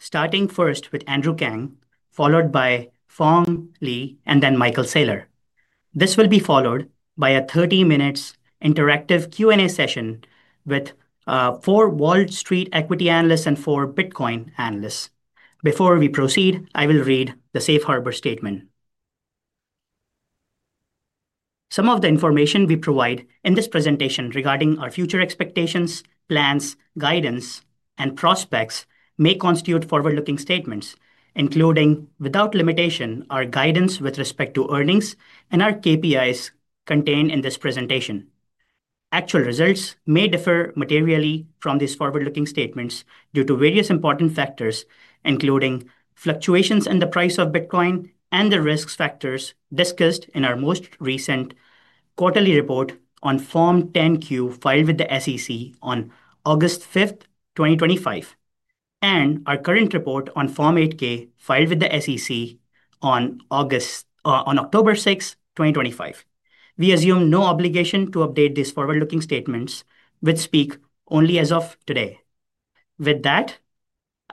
Starting first with Andrew Kang, followed by Phong Le, and then Michael Saylor. This will be followed by a 30-minute interactive Q&A session with four Wall Street equity analysts and four Bitcoin analysts. Before we proceed, I will read the Safe Harbor statement. Some of the information we provide in this presentation regarding our future expectations, plans, guidance, and prospects may constitute forward-looking statements, including, without limitation, our guidance with respect to earnings and our KPIs contained in this presentation. Actual results may differ materially from these forward-looking statements due to various important factors, including fluctuations in the price of Bitcoin and the risk factors discussed in our most recent quarterly report on Form 10-Q filed with the SEC on August 5th, 2025, and our current report on Form 8-K filed with the SEC on October 6th, 2025. We assume no obligation to update these forward-looking statements, which speak only as of today. With that,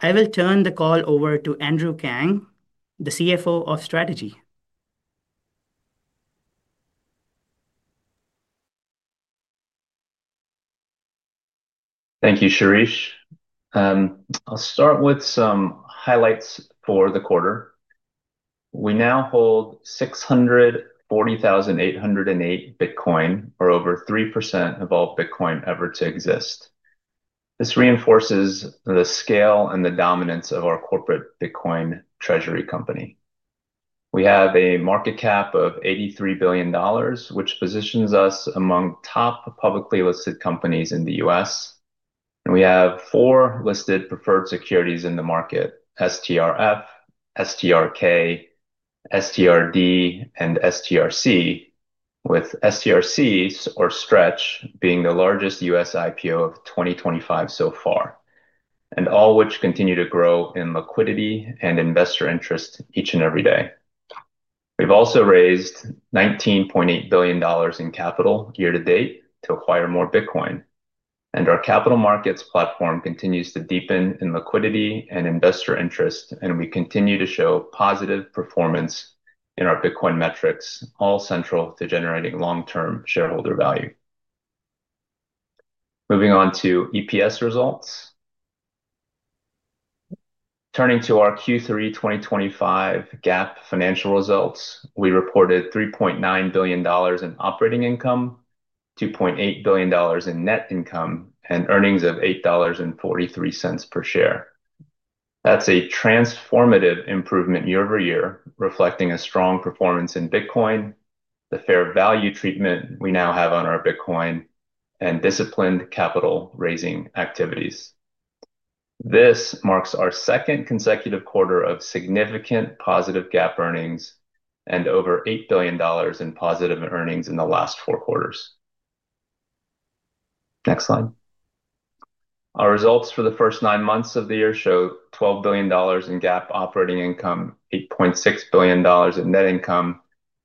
I will turn the call over to Andrew Kang, the CFO of Strategy. Thank you, Shirish. I'll start with some highlights for the quarter. We now hold 640,808 Bitcoin, or over 3% of all Bitcoin ever to exist. This reinforces the scale and the dominance of our corporate Bitcoin treasury company. We have a market cap of $83 billion, which positions us among top publicly listed companies in the U.S. We have four listed preferred securities in the market: STRF, STRK, STRD, and STRC, with STRC, or Stretch, being the largest U.S. IPO of 2025 so far, all of which continue to grow in liquidity and investor interest each and every day. We've also raised $19.8 billion in capital year-to-date to acquire more Bitcoin. Our capital markets platform continues to deepen in liquidity and investor interest, and we continue to show positive performance in our Bitcoin metrics, all central to generating long-term shareholder value. Moving on to EPS results. Turning to our Q3 2025 GAAP financial results, we reported $3.9 billion in operating income, $2.8 billion in net income, and earnings of $8.43 per share. That's a transformative improvement year-over-year, reflecting a strong performance in Bitcoin, the fair value treatment we now have on our Bitcoin, and disciplined capital-raising activities. This marks our second consecutive quarter of significant positive GAAP earnings and over $8 billion in positive earnings in the last four quarters. Next slide. Our results for the first nine months of the year show $12 billion in GAAP operating income, $8.6 billion in net income,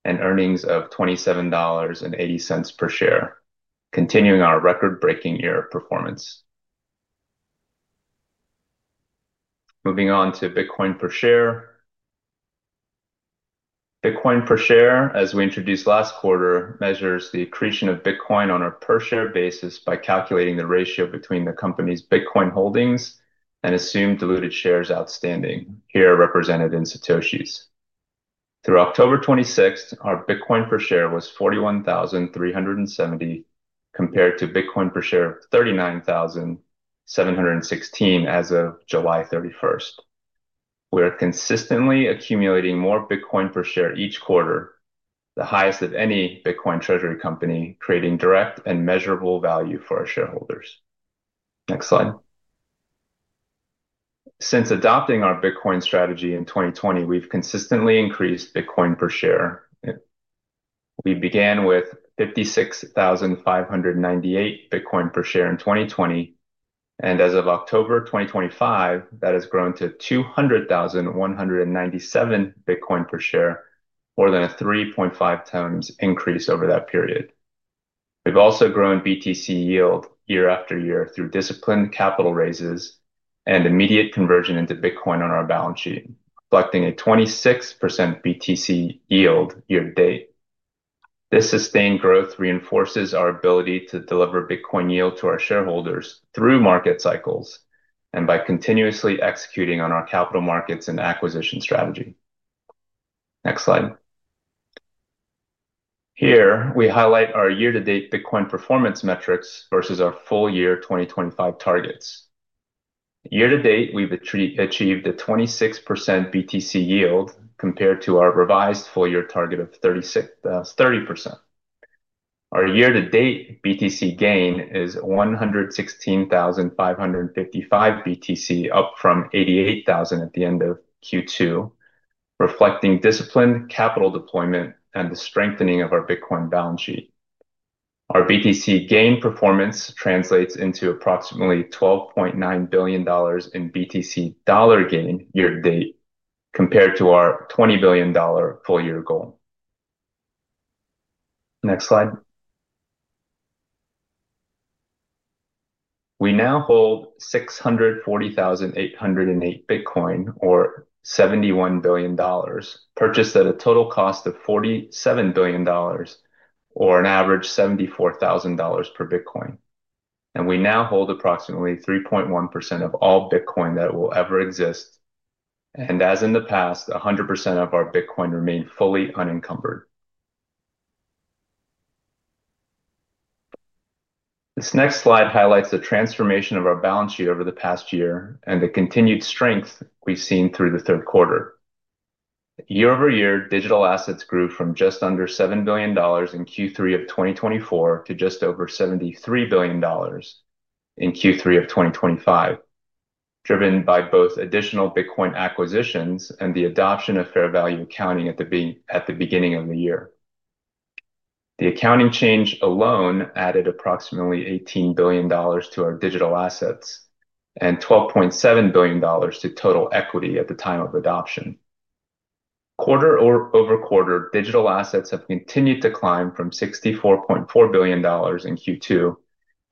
and earnings of $27.80 per share, continuing our record-breaking year of performance. Moving on to Bitcoin per share. Bitcoin per share, as we introduced last quarter, measures the accretion of Bitcoin on a per-share basis by calculating the ratio between the company's Bitcoin holdings and assumed diluted shares outstanding, here represented in satoshis. Through October 26th, our Bitcoin per share was 41,370, compared to Bitcoin per share of 39,716 as of July 31st. We are consistently accumulating more Bitcoin per share each quarter, the highest of any Bitcoin treasury company, creating direct and measurable value for our shareholders. Next slide. Since adopting our Bitcoin strategy in 2020, we've consistently increased Bitcoin per share. We began with 56,598 Bitcoin per share in 2020, and as of October 2025, that has grown to 200,197 Bitcoin per share, more than a 3.5x increase over that period. We've also grown BTC yield year after year through disciplined capital raises and immediate conversion into Bitcoin on our balance sheet, reflecting a 26% BTC yield year-to-date. This sustained growth reinforces our ability to deliver Bitcoin yield to our shareholders through market cycles and by continuously executing on our capital markets and acquisition strategy. Next slide. Here, we highlight our year-to-date Bitcoin performance metrics versus our full-year 2025 targets. Year-to-date, we've achieved a 26% BTC yield compared to our revised full-year target of 30%. Our year-to-date BTC gain is 116,555 BTC, up from 88,000 at the end of Q2, reflecting disciplined capital deployment and the strengthening of our Bitcoin balance sheet. Our BTC gain performance translates into approximately $12.9 billion in BTC dollar gain year-to-date, compared to our $20 billion full-year goal. Next slide. We now hold 640,808 Bitcoin, or $71 billion, purchased at a total cost of $47 billion, or an average $74,000 per Bitcoin. We now hold approximately 3.1% of all Bitcoin that will ever exist. As in the past, 100% of our Bitcoin remained fully unencumbered. This next slide highlights the transformation of our balance sheet over the past year and the continued strength we've seen through the third quarter. Year-over-year, digital assets grew from just under $7 billion in Q3 of 2024 to just over $73 billion in Q3 of 2025, driven by both additional Bitcoin acquisitions and the adoption of fair value accounting at the beginning of the year. The accounting change alone added approximately $18 billion to our digital assets and $12.7 billion to total equity at the time of adoption. Quarter over quarter, digital assets have continued to climb from $64.4 billion in Q2 to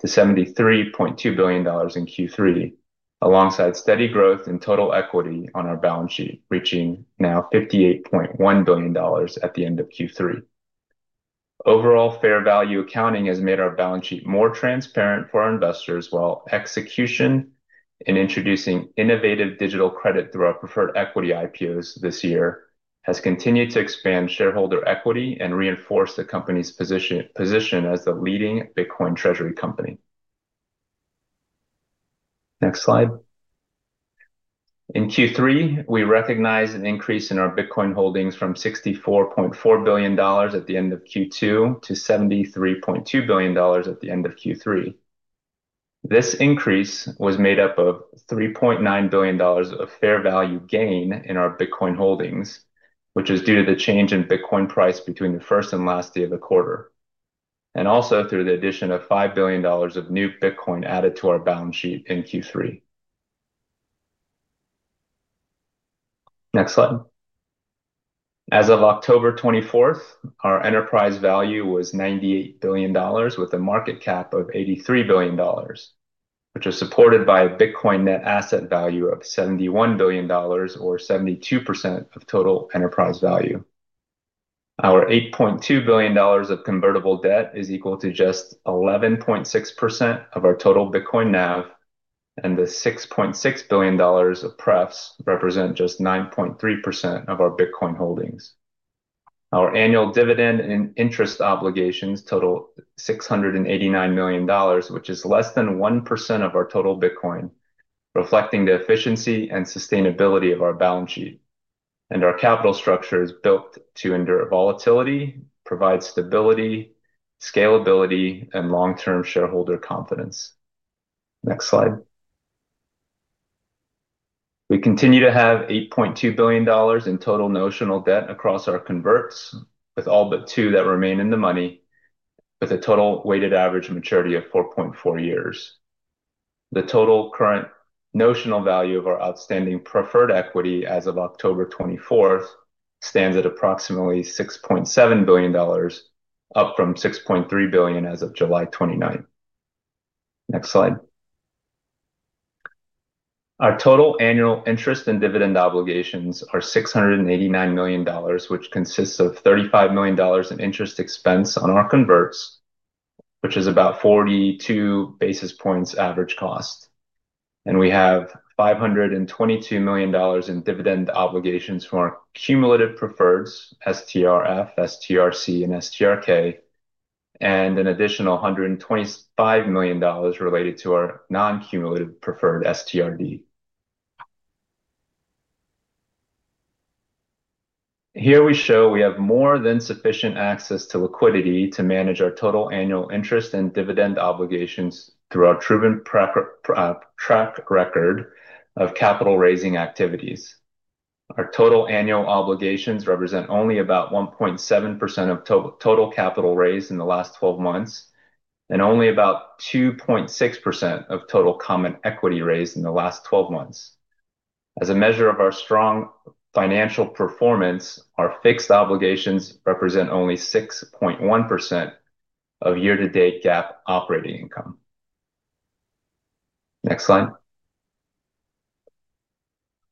$73.2 billion in Q3, alongside steady growth in total equity on our balance sheet, reaching now $58.1 billion at the end of Q3. Overall, fair value accounting has made our balance sheet more transparent for our investors, while execution in introducing innovative digital credit through our preferred equity IPOs this year has continued to expand shareholder equity and reinforce the company's position as the leading Bitcoin treasury company. Next slide. In Q3, we recognize an increase in our Bitcoin holdings from $64.4 billion at the end of Q2 to $73.2 billion at the end of Q3. This increase was made up of $3.9 billion of fair value gain in our Bitcoin holdings, which is due to the change in Bitcoin price between the first and last day of the quarter, and also through the addition of $5 billion of new Bitcoin added to our balance sheet in Q3. Next slide. As of October 24th, our enterprise value was $98 billion, with a market cap of $83 billion, which is supported by a Bitcoin net asset value of $71 billion, or 72% of total enterprise value. Our $8.2 billion of convertible debt is equal to just 11.6% of our total Bitcoin NAV, and the $6.6 billion of preps represent just 9.3% of our Bitcoin holdings. Our annual dividend and interest obligations total $689 million, which is less than 1% of our total Bitcoin, reflecting the efficiency and sustainability of our balance sheet. Our capital structure is built to endure volatility, provide stability, scalability, and long-term shareholder confidence. Next slide. We continue to have $8.2 billion in total notional debt across our converts, with all but two that remain in the money, with a total weighted average maturity of 4.4 years. The total current notional value of our outstanding preferred equity as of October 24th, stands at approximately $6.7 billion, up from $6.3 billion as of July 29th. Next slide. Our total annual interest and dividend obligations are $689 million, which consists of $35 million in interest expense on our converts, which is about 42 basis points average cost. We have $522 million in dividend obligations from our cumulative preferred, STRF, STRC, and STRK, and an additional $125 million related to our non-cumulative preferred, STRD. Here we show we have more than sufficient access to liquidity to manage our total annual interest and dividend obligations through our proven track record of capital raising activities. Our total annual obligations represent only about 1.7% of total capital raised in the last 12 months and only about 2.6% of total common equity raised in the last 12 months. As a measure of our strong financial performance, our fixed obligations represent only 6.1% of year-to-date GAAP operating income. Next slide.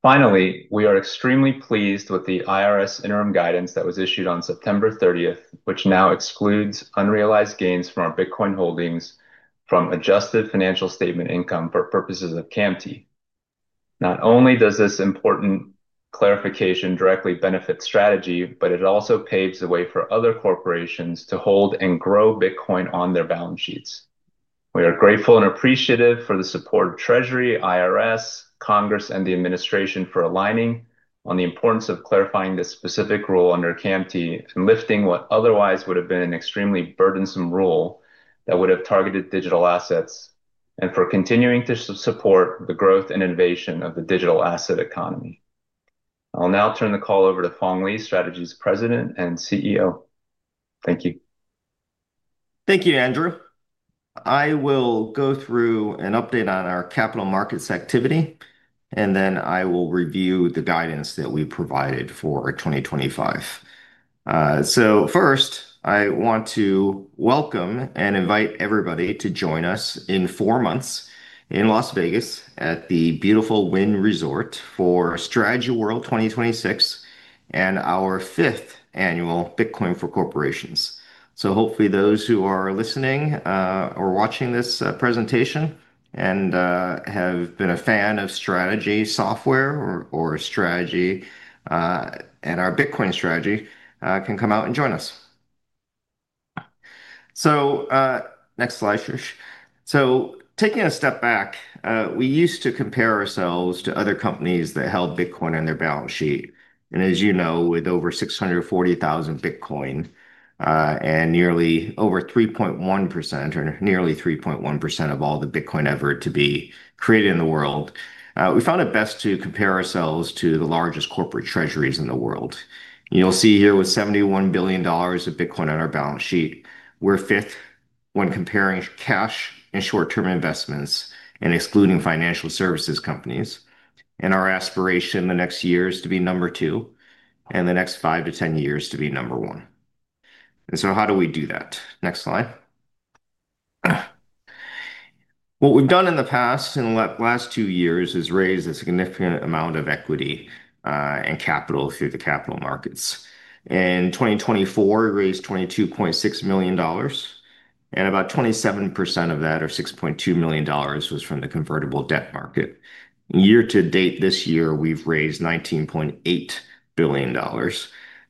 Finally, we are extremely pleased with the IRS interim guidance that was issued on September 30th, which now excludes unrealized gains from our Bitcoin holdings from adjusted financial statement income for purposes of CAMTI. Not only does this important clarification directly benefit Strategy, but it also paves the way for other corporations to hold and grow Bitcoin on their balance sheets. We are grateful and appreciative for the support of Treasury, IRS, Congress, and the administration for aligning on the importance of clarifying this specific rule under CAMTI and lifting what otherwise would have been an extremely burdensome rule that would have targeted digital assets, and for continuing to support the growth and innovation of the digital asset economy. I'll now turn the call over to Phong Le, Strategy's President and CEO. Thank you. Thank you, Andrew. I will go through an update on our capital markets activity, and then I will review the guidance that we provided for 2025. First, I want to welcome and invite everybody to join us in four months in Las Vegas at the beautiful Wynn Resort for Strategy World 2026 and our fifth annual Bitcoin for Corporations. Hopefully those who are listening or watching this presentation and have been a fan of Strategy Software or Strategy and our Bitcoin Strategy can come out and join us. Next slide, Shirish. Taking a step back, we used to compare ourselves to other companies that held Bitcoin on their balance sheet. As you know, with over 640,000 Bitcoin and nearly over 3.1% or nearly 3.1% of all the Bitcoin ever to be created in the world, we found it best to compare ourselves to the largest corporate treasuries in the world. You'll see here with $71 billion of Bitcoin on our balance sheet, we're fifth when comparing cash and short-term investments and excluding financial services companies. Our aspiration in the next year is to be number two and in the next five to 10 years to be number one. How do we do that? Next slide. What we've done in the past and the last two years is raise a significant amount of equity and capital through the capital markets. In 2024, we raised $22.6 million, and about 27% of that, or $6.2 million, was from the convertible debt market. Year-to-date this year, we've raised $19.8 billion.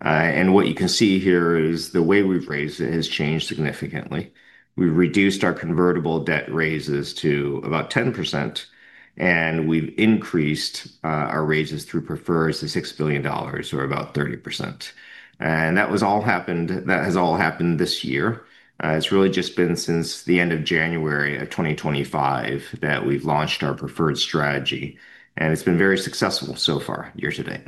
What you can see here is the way we've raised it has changed significantly. We've reduced our convertible debt raises to about 10%, and we've increased our raises through prefers to $6 billion, or about 30%. That has all happened this year. It's really just been since the end of January 2025 that we've launched our preferred strategy, and it's been very successful so far year-to-date.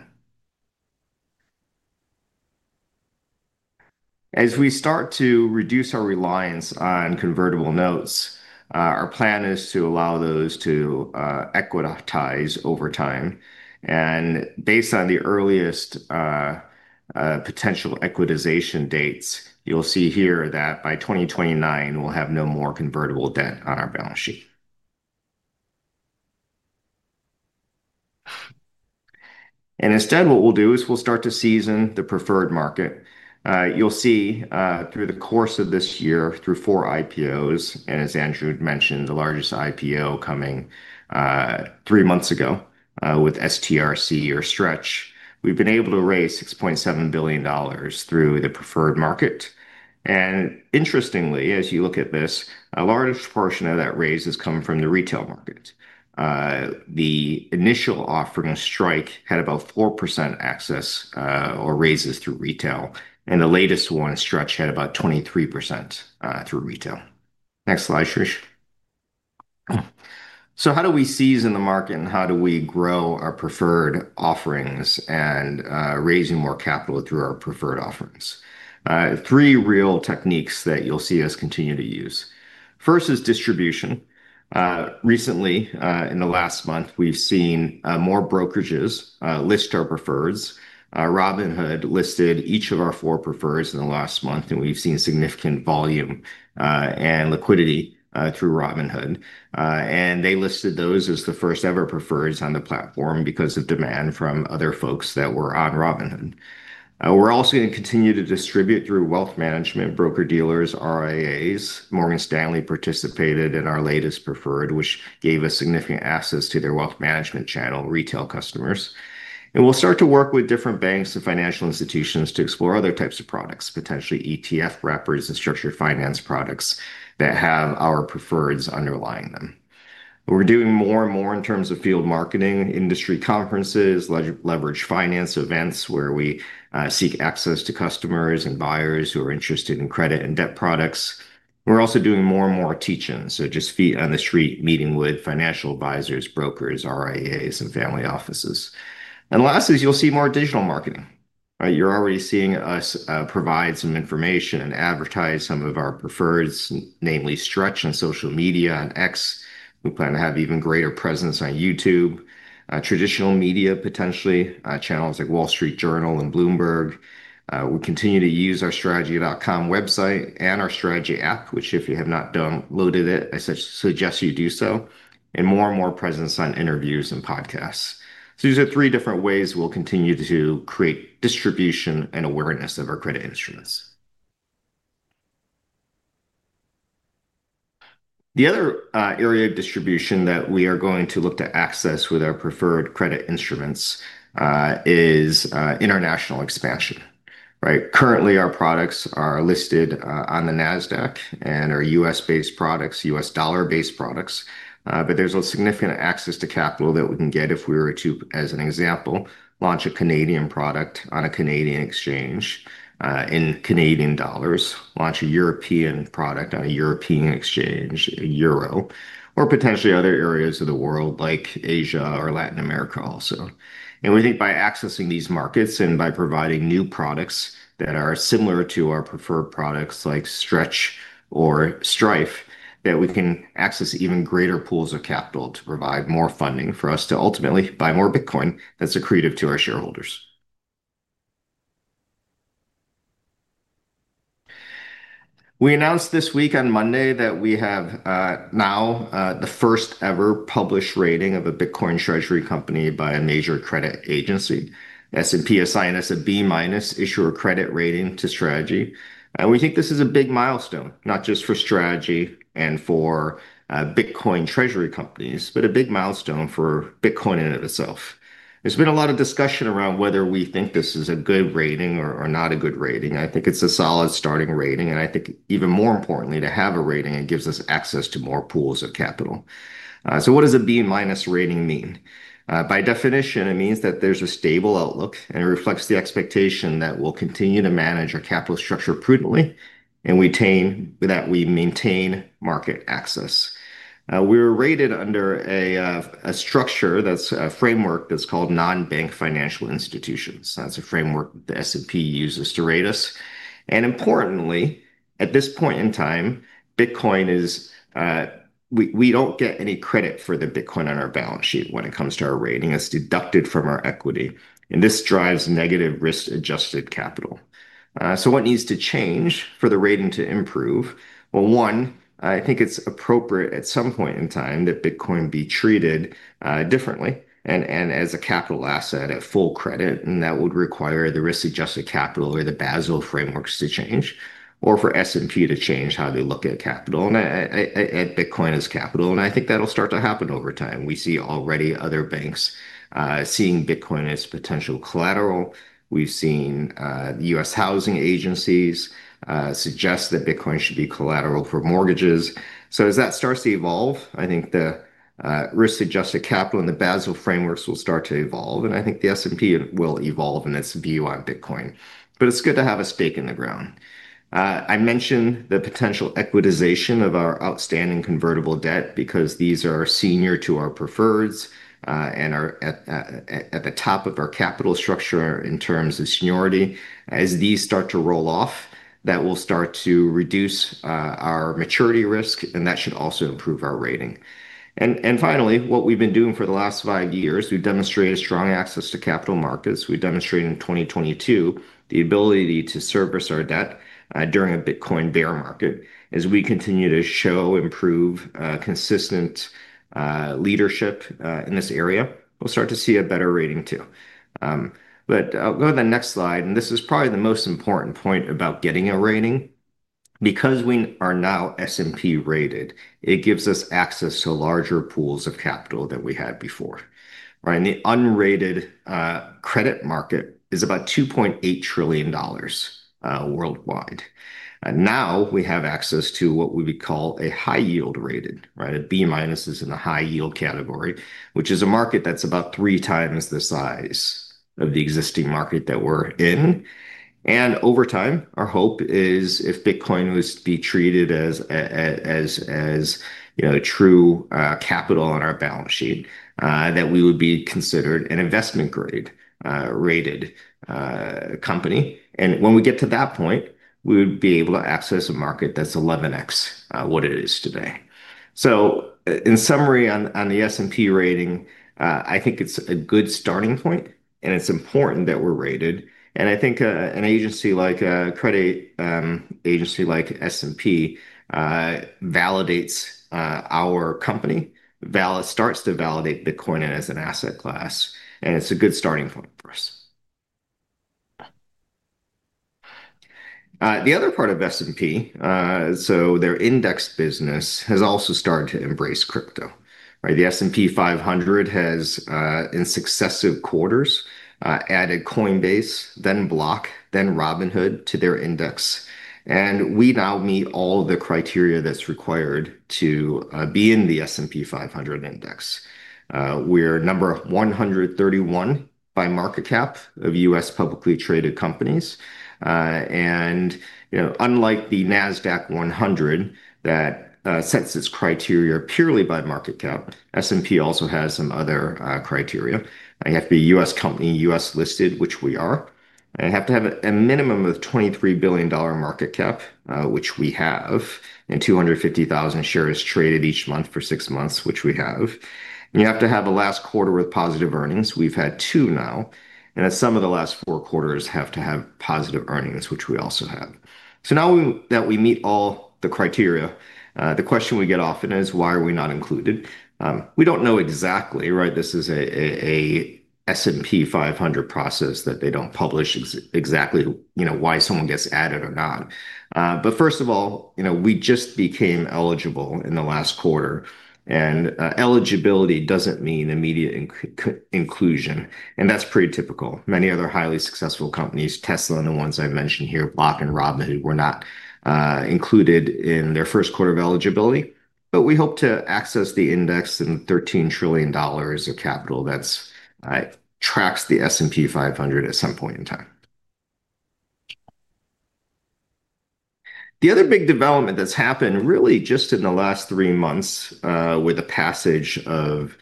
As we start to reduce our reliance on convertible notes, our plan is to allow those to equitize over time. Based on the earliest potential equitization dates, you'll see here that by 2029, we'll have no more convertible debt on our balance sheet. Instead, what we'll do is we'll start to season the preferred market. You'll see through the course of this year through four IPOs, and as Andrew mentioned, the largest IPO coming three months ago with STRC or Stretch, we've been able to raise $6.7 billion through the preferred market. Interestingly, as you look at this, a large portion of that raise has come from the retail market. The initial offering of Strike had about 4% access or raises through retail. The latest one, Stretch, had about 23% through retail. Next slide, Shirish. How do we season the market and how do we grow our preferred offerings and raise more capital through our preferred offerings? Three real techniques that you'll see us continue to use. First is distribution. Recently, in the last month, we've seen more brokerages list our prefers. Robinhood listed each of our four prefers in the last month, and we've seen significant volume and liquidity through Robinhood. They listed those as the first-ever prefers on the platform because of demand from other folks that were on Robinhood. We're also going to continue to distribute through wealth management broker-dealers, RIAs. Morgan Stanley participated in our latest preferred, which gave us significant access to their wealth management channel, retail customers. We'll start to work with different banks and financial institutions to explore other types of products, potentially ETF wrappers and structured finance products that have our prefers underlying them. We're doing more and more in terms of field marketing, industry conferences, leverage finance events where we seek access to customers and buyers who are interested in credit and debt products. We're also doing more and more teach-in, just feet on the street meeting with financial advisors, brokers, RIAs, and family offices. Lastly, you'll see more digital marketing. You're already seeing us provide some information and advertise some of our prefers, namely Stretch on social media and X. We plan to have even greater presence on YouTube, traditional media potentially, channels like Wall Street Journal and Bloomberg. We continue to use our strategy.com website and our Strategy app, which if you have not downloaded it, I suggest you do so, and more and more presence on interviews and podcasts. These are three different ways we'll continue to create distribution and awareness of our credit instruments. The other area of distribution that we are going to look to access with our preferred credit instruments is international expansion. Currently, our products are listed on the NASDAQ and are U.S.-based products, U.S. dollar-based products. There's a significant access to capital that we can get if we were to, as an example, launch a Canadian product on a Canadian exchange in Canadian dollars, launch a European product on a European exchange, a euro, or potentially other areas of the world like Asia or Latin America also. We think by accessing these markets and by providing new products that are similar to our preferred products like Stretch or Strife, we can access even greater pools of capital to provide more funding for us to ultimately buy more Bitcoin that's accretive to our shareholders. We announced this week on Monday that we have now the first-ever published rating of a Bitcoin treasury company by a major credit agency. S&P assigned us a B- issuer credit rating to Strategy. We think this is a big milestone, not just for Strategy and for Bitcoin treasury companies, but a big milestone for Bitcoin in and of itself. There's been a lot of discussion around whether we think this is a good rating or not a good rating. I think it's a solid starting rating. I think, even more importantly, to have a rating gives us access to more pools of capital. What does a B- rating mean? By definition, it means that there's a stable outlook and it reflects the expectation that we'll continue to manage our capital structure prudently and that we maintain market access. We were rated under a structure that's a framework called non-bank financial institutions. That's a framework that S&P uses to rate us. Importantly, at this point in time, Bitcoin is, we don't get any credit for the Bitcoin on our balance sheet when it comes to our rating. It's deducted from our equity, and this drives negative risk-adjusted capital. What needs to change for the rating to improve? One, I think it's appropriate at some point in time that Bitcoin be treated differently and as a capital asset at full credit. That would require the risk-adjusted capital or the Basel frameworks to change or for S&P to change how they look at capital and Bitcoin as capital. I think that'll start to happen over time. We see already other banks seeing Bitcoin as potential collateral. We've seen the U.S. housing agencies suggest that Bitcoin should be collateral for mortgages. As that starts to evolve, I think the risk-adjusted capital and the Basel frameworks will start to evolve. I think S&P will evolve in its view on Bitcoin. It's good to have a stake in the ground. I mentioned the potential equitization of our outstanding convertible debt because these are senior to our prefers and are at the top of our capital structure in terms of seniority. As these start to roll off, that will start to reduce our maturity risk, and that should also improve our rating. Finally, what we've been doing for the last five years, we've demonstrated strong access to capital markets. We demonstrated in 2022 the ability to service our debt during a Bitcoin bear market. As we continue to show improved, consistent leadership in this area, we'll start to see a better rating too. Go to the next slide. This is probably the most important point about getting a rating. Because we are now S&P rated, it gives us access to larger pools of capital than we had before. The unrated credit market is about $2.8 trillion worldwide. Now we have access to what we would call a high-yield rated, a B- is in the high-yield category, which is a market that's about three times the size of the existing market that we're in. Over time, our hope is if Bitcoin was to be treated as a true capital on our balance sheet, that we would be considered an investment-grade rated company. When we get to that point, we would be able to access a market that's 11x what it is today. In summary, on the S&P rating, I think it's a good starting point, and it's important that we're rated. I think an agency like a credit agency like S&P validates our company, starts to validate Bitcoin as an asset class, and it's a good starting point for us. The other part of S&P, so their index business, has also started to embrace crypto. The S&P 500 has, in successive quarters, added Coinbase, then Block, then Robinhood to their index. We now meet all the criteria that's required to be in the S&P 500 index. We're number 131 by market cap of U.S. publicly traded companies. Unlike the S&P 500, the NASDAQ 100 sets its criteria purely by market cap. S&P also has some other criteria. You have to be a U.S. company, U.S. listed, which we are. You have to have a minimum of $23 billion market cap, which we have, and 250,000 shares traded each month for six months, which we have. You have to have the last quarter with positive earnings. We've had two now. Some of the last four quarters have to have positive earnings, which we also have. Now that we meet all the criteria, the question we get often is, why are we not included? We don't know exactly. This is a. S&P 500 process that they don't publish exactly why someone gets added or not. First of all, we just became eligible in the last quarter, and eligibility doesn't mean immediate inclusion. That's pretty typical. Many other highly successful companies, Tesla and the ones I mentioned here, Block and Robinhood, were not included in their first quarter of eligibility. We hope to access the index and $13 trillion of capital that tracks the S&P 500 at some point in time. The other big development that's happened really just in the last three months with the passage of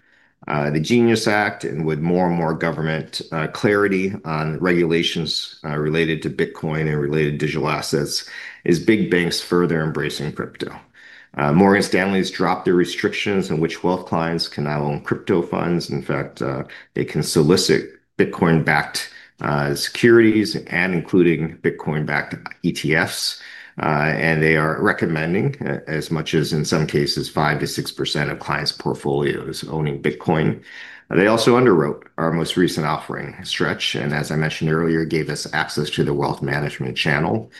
the Genius Act and with more and more government clarity on regulations related to Bitcoin and related digital assets is big banks further embracing crypto. Morgan Stanley has dropped their restrictions on which wealth clients can now own crypto funds. In fact, they can solicit Bitcoin-backed securities, including Bitcoin-backed ETFs, and they are recommending, as much as in some cases, 5%-6% of clients' portfolios owning Bitcoin. They also underwrote our most recent offering, Stretch, and as I mentioned earlier, gave us access to the wealth management channel.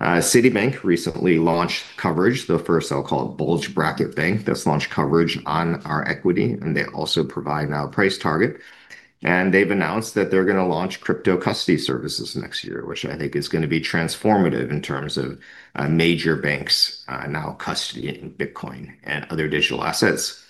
Citibank recently launched coverage, the first I'll call it bulge bracket bank that's launched coverage on our equity, and they also provide now a price target. They've announced that they're going to launch crypto custody services next year, which I think is going to be transformative in terms of major banks now custodying Bitcoin and other digital assets.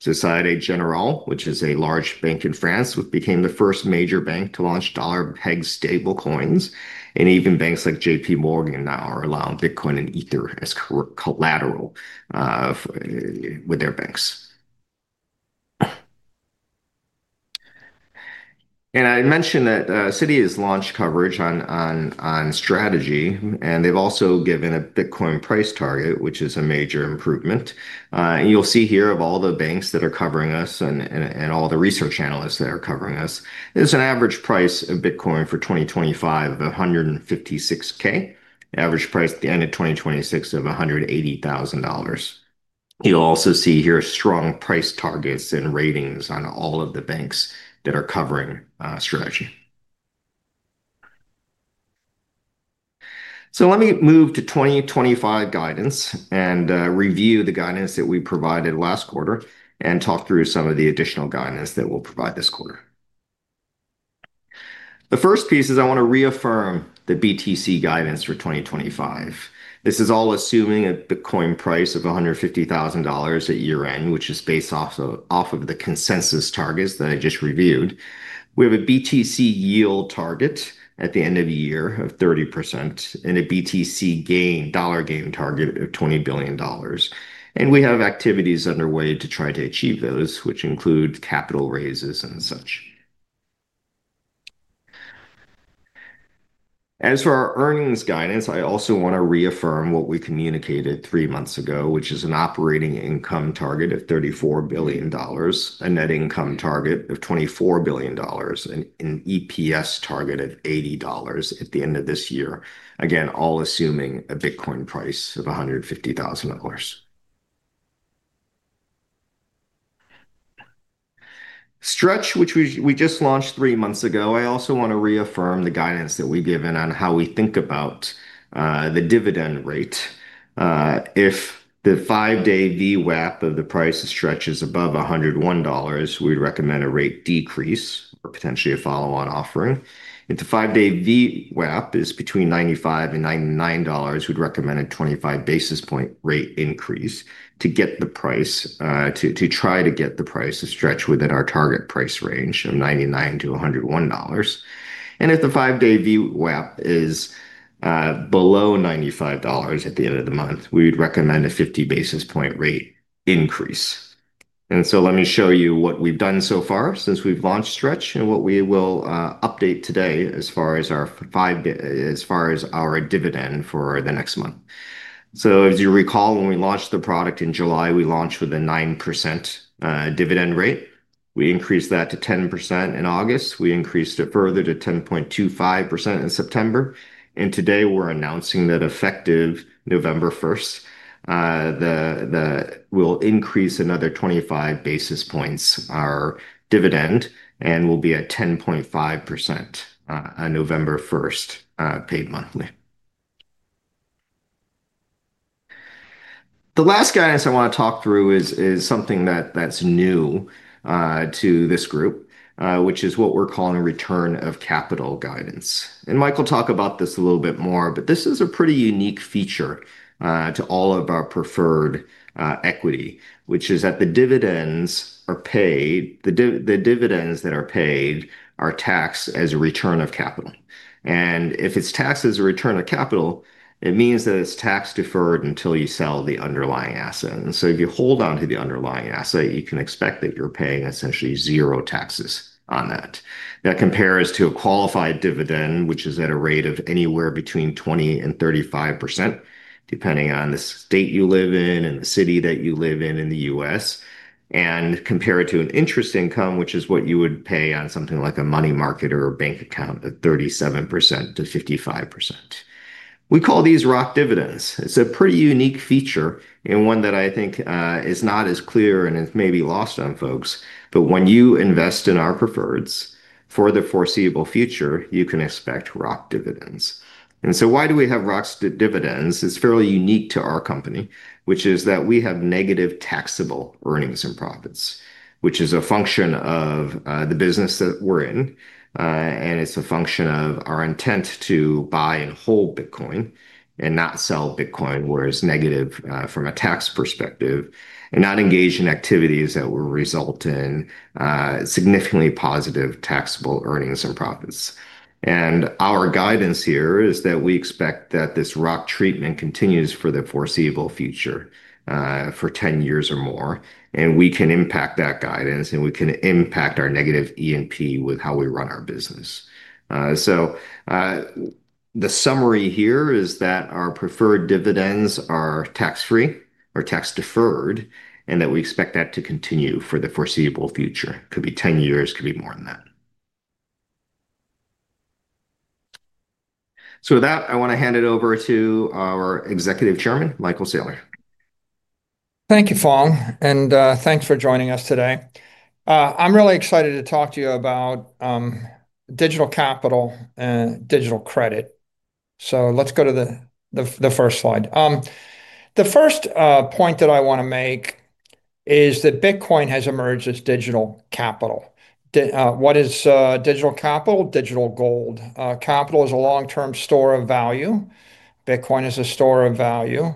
Société Générale, which is a large bank in France, became the first major bank to launch dollar peg stablecoins, and even banks like JPMorgan now are allowing Bitcoin and Ether as collateral with their banks. I mentioned that Citi has launched coverage on Strategy, and they've also given a Bitcoin price target, which is a major improvement. You'll see here of all the banks that are covering us and all the research analysts that are covering us, there's an average price of Bitcoin for 2025 of $156,000, average price at the end of 2026 of $180,000. You'll also see here strong price targets and ratings on all of the banks that are covering Strategy. Let me move to 2025 guidance and review the guidance that we provided last quarter and talk through some of the additional guidance that we'll provide this quarter. The first piece is I want to reaffirm the BTC guidance for 2025. This is all assuming a Bitcoin price of $150,000 at year-end, which is based off of the consensus targets that I just reviewed. We have a BTC yield target at the end of the year of 30% and a BTC dollar gain target of $20 billion. We have activities underway to try to achieve those, which include capital raises and such. As for our earnings guidance, I also want to reaffirm what we communicated three months ago, which is an operating income target of $34 billion, a net income target of $24 billion, and an EPS target of $80 at the end of this year. Again, all assuming a Bitcoin price of $150,000. Stretch, which we just launched three months ago, I also want to reaffirm the guidance that we've given on how we think about the dividend rate. If the five-day VWAP of the price of Stretch is above $101, we'd recommend a rate decrease or potentially a follow-on offering. If the five-day VWAP is between $95 and $99, we'd recommend a 25 basis point rate increase to try to get the price of Stretch within our target price range of $99-$101. If the five-day VWAP is below $95 at the end of the month, we'd recommend a 50 basis point rate increase. Let me show you what we've done so far since we've launched Stretch and what we will update today as far as our dividend for the next month. As you recall, when we launched the product in July, we launched with a 9% dividend rate. We increased that to 10% in August. We increased it further to 10.25% in September. Today, we're announcing that effective November 1st, we'll increase another 25 basis points our dividend and will be at 10.5% on November 1st, paid monthly. The last guidance I want to talk through is something that's new to this group, which is what we're calling return of capital guidance. Michael talked about this a little bit more, but this is a pretty unique feature to all of our preferred equity, which is that the dividends that are paid are taxed as a return of capital. If it's taxed as a return of capital, it means that it's tax-deferred until you sell the underlying asset. If you hold on to the underlying asset, you can expect that you're paying essentially zero taxes on that. That compares to a qualified dividend, which is at a rate of anywhere between 20% and 35%, depending on the state you live in and the city that you live in in the U.S. Compare it to an interest income, which is what you would pay on something like a money market or a bank account at 37%-55%. We call these ROC dividends. It's a pretty unique feature and one that I think is not as clear and is maybe lost on folks. When you invest in our preferreds for the foreseeable future, you can expect ROC dividends. Why do we have ROC dividends? It's fairly unique to our company, which is that we have negative taxable earnings and profits, which is a function of the business that we're in. It's a function of our intent to buy and hold Bitcoin and not sell Bitcoin, where it's negative from a tax perspective and not engage in activities that will result in significantly positive taxable earnings and profits. Our guidance here is that we expect that this ROC treatment continues for the foreseeable future, for 10 years or more. We can impact that guidance, and we can impact our negative E&P with how we run our business. The summary here is that our preferred dividends are tax-free or tax-deferred, and we expect that to continue for the foreseeable future. It could be 10 years, it could be more than that. With that, I want to hand it over to our Executive Chairman, Michael Saylor. Thank you, Phong, and thanks for joining us today. I'm really excited to talk to you about digital capital and digital credit. Let's go to the first slide. The first point that I want to make is that Bitcoin has emerged as digital capital. What is digital capital? Digital gold. Capital is a long-term store of value. Bitcoin is a store of value.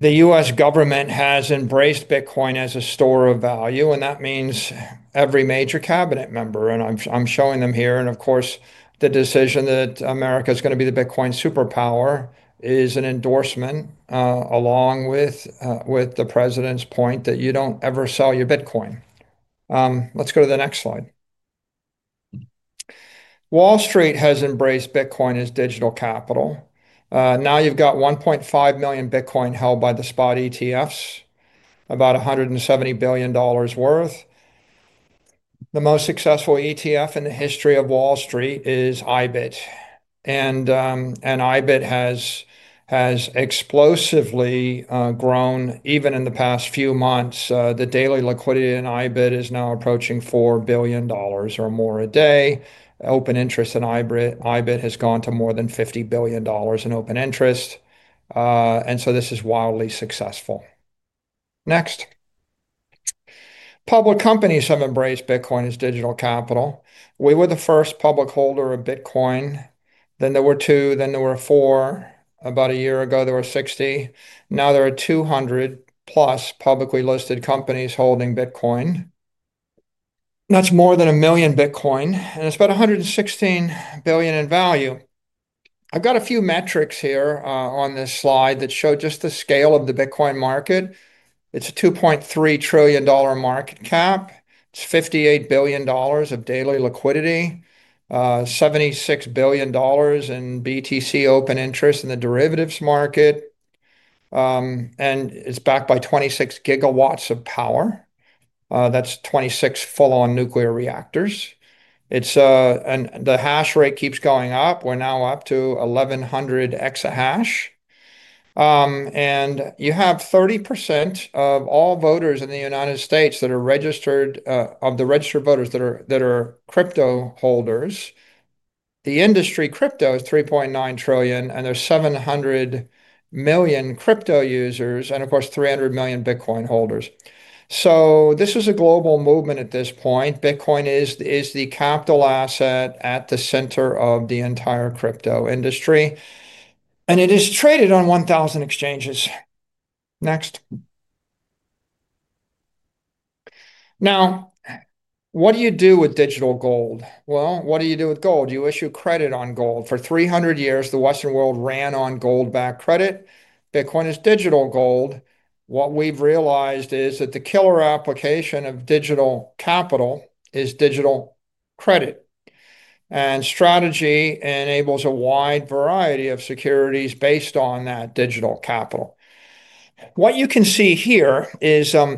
The U.S. government has embraced Bitcoin as a store of value, and that means every major cabinet member, and I'm showing them here. The decision that America is going to be the Bitcoin superpower is an endorsement, along with the President's point that you don't ever sell your Bitcoin. Let's go to the next slide. Wall Street has embraced Bitcoin as digital capital. Now you've got 1.5 million Bitcoin held by the spot ETFs, about $170 billion worth. The most successful ETF in the history of Wall Street is IBIT. IBIT has explosively grown even in the past few months. The daily liquidity in IBIT is now approaching $4 billion or more a day. Open interest in IBIT has gone to more than $50 billion in open interest. This is wildly successful. Next. Public companies have embraced Bitcoin as digital capital. We were the first public holder of Bitcoin. There were two, then there were four. About a year ago, there were 60. Now there are 200+ publicly listed companies holding Bitcoin. That's more than 1 million Bitcoin, and it's about $116 billion in value. I've got a few metrics here on this slide that show just the scale of the Bitcoin market. It's a $2.3 trillion market cap. It's $58 billion of daily liquidity. $76 billion in BTC open interest in the derivatives market. It's backed by 26 GW of power. That's 26 full-on nuclear reactors. The hash rate keeps going up. We're now up to 1,100 EH. You have 30% of all voters in the United States that are registered, of the registered voters that are crypto holders. The industry crypto is $3.9 trillion, and there's 700 million crypto users and, of course, 300 million Bitcoin holders. This is a global movement at this point. Bitcoin is the capital asset at the center of the entire crypto industry. It is traded on 1,000 exchanges. Next. Now, what do you do with digital gold? What do you do with gold? You issue credit on gold. For 300 years, the Western world ran on gold-backed credit. Bitcoin is digital gold. What we've realized is that the killer application of digital capital is digital credit. Strategy enables a wide variety of securities based on that digital capital. What you can see here is that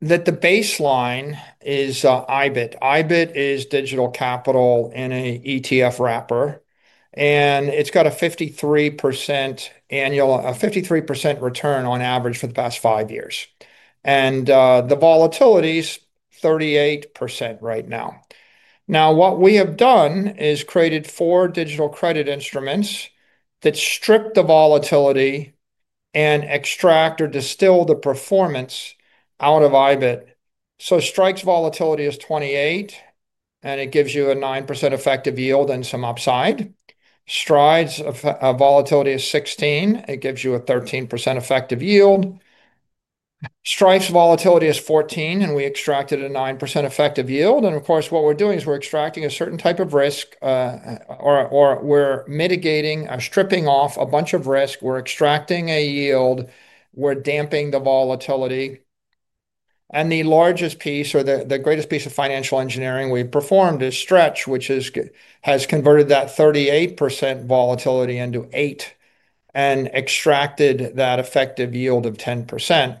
the baseline is IBIT. IBIT is digital capital in an ETF wrapper. It's got a 53% return on average for the past five years. The volatility is 38% right now. What we have done is created four digital credit instruments that strip the volatility and extract or distill the performance out of IBIT. Strife's volatility is 28, and it gives you a 9% effective yield and some upside. Stride's volatility is 16. It gives you a 13% effective yield. Strike's volatility is 14, and we extracted a 9% effective yield. What we're doing is we're extracting a certain type of risk. We're mitigating, stripping off a bunch of risk. We're extracting a yield. We're damping the volatility. The largest piece, or the greatest piece of financial engineering we've performed, is Stretch, which has converted that 38% volatility into 8% and extracted that effective yield of 10%.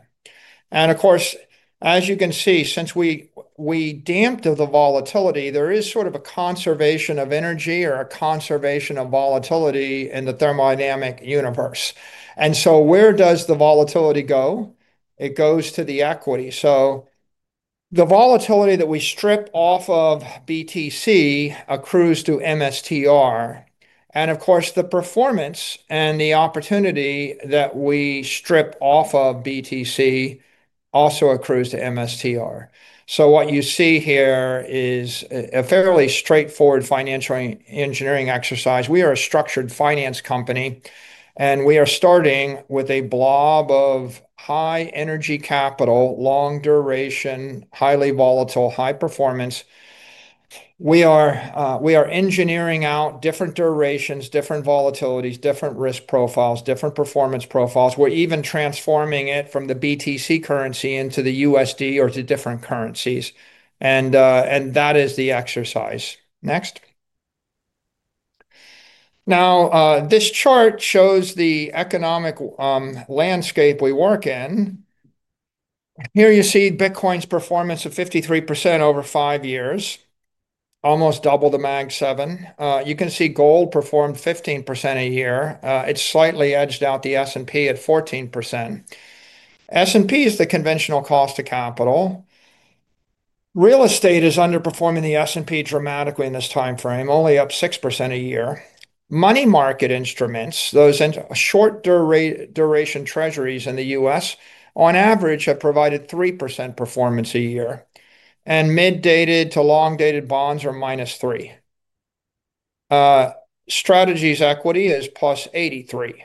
As you can see, since we damped the volatility, there is sort of a conservation of energy or a conservation of volatility in the thermodynamic universe. Where does the volatility go? It goes to the equity. The volatility that we strip off of BTC accrues to MSTR. Of course, the performance and the opportunity that we strip off of BTC also accrues to MSCR. What you see here is a fairly straightforward financial engineering exercise. We are a structured finance company, and we are starting with a blob of high-energy capital, long-duration, highly volatile, high-performance. We are engineering out different durations, different volatilities, different risk profiles, different performance profiles. We're even transforming it from the BTC currency into the USD or to different currencies. That is the exercise. Next, this chart shows the economic landscape we work in. Here you see Bitcoin's performance of 53% over five years, almost double the Mag 7. You can see gold performed 15% a year. It slightly edged out the S&P at 14%. S&P is the conventional cost of capital. Real estate is underperforming the S&P dramatically in this timeframe, only up 6% a year. Money market instruments, those short-duration treasuries in the U.S., on average have provided 3% performance a year. Mid-dated to long-dated bonds are -3%. Strategy's equity is +83%.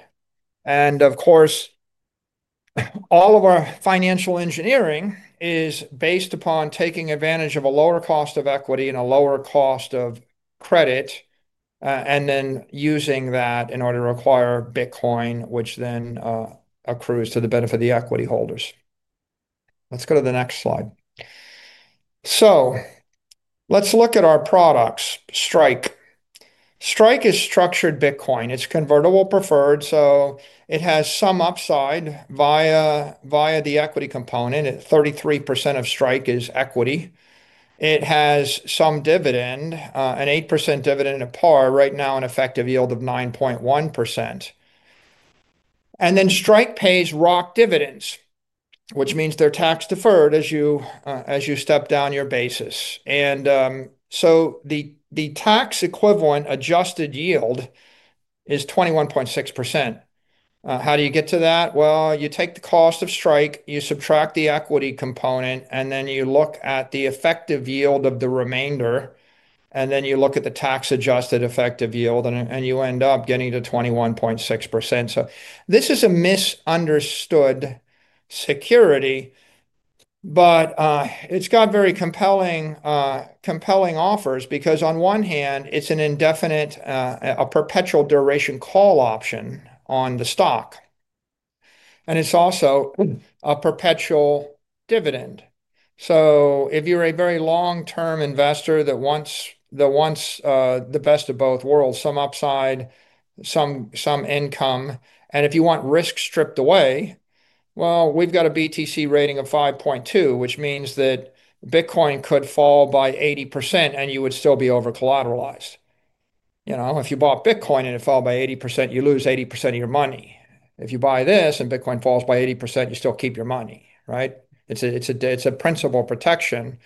All of our financial engineering is based upon taking advantage of a lower cost of equity and a lower cost of credit, and then using that in order to acquire Bitcoin, which then accrues to the benefit of the equity holders. Let's go to the next slide. Let's look at our products, Strike. Strike is structured Bitcoin. It's convertible preferred, so it has some upside via the equity component. 33% of Strike is equity. It has some dividend, an 8% dividend, a par right now, an effective yield of 9.1%. Strike pays ROC dividends, which means they're tax-deferred as you step down your basis. The tax-equivalent adjusted yield is 21.6%. How do you get to that? You take the cost of Strike, you subtract the equity component, and then you look at the effective yield of the remainder, and then you look at the tax-adjusted effective yield, and you end up getting to 21.6%. This is a misunderstood security, but it's got very compelling offers because, on one hand, it's an indefinite, a perpetual duration call option on the stock. It's also a perpetual dividend. If you're a very long-term investor that wants the best of both worlds, some upside, some income, and if you want risk stripped away. We've got a BTC rating of 5.2, which means that Bitcoin could fall by 80%, and you would still be over-collateralized. If you bought Bitcoin and it fell by 80%, you lose 80% of your money. If you buy this and Bitcoin falls by 80%, you still keep your money, right? It's a principal protection.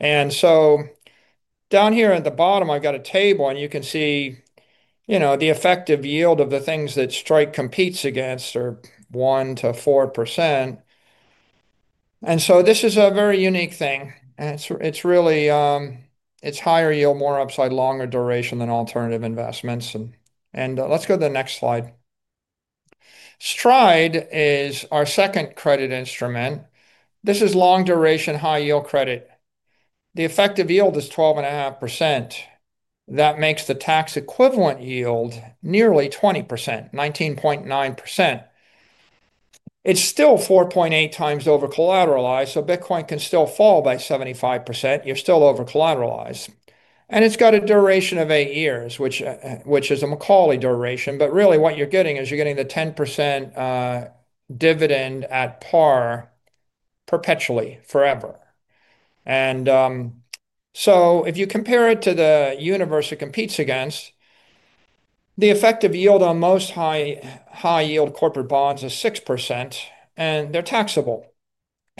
Down here at the bottom, I've got a table, and you can see the effective yield of the things that Strike competes against are 1%-4%. This is a very unique thing. It's higher yield, more upside, longer duration than alternative investments. Let's go to the next slide. Stride is our second credit instrument. This is long-duration, high-yield credit. The effective yield is 12.5%. That makes the tax-equivalent yield nearly 20%, 19.9%. It's still 4.8x over-collateralized, so Bitcoin can still fall by 75%. You're still over-collateralized. It's got a duration of eight years, which is a Macaulay duration. What you're getting is you're getting the 10% dividend at par perpetually, forever. If you compare it to the universe it competes against, the effective yield on most high-yield corporate bonds is 6%, and they're taxable.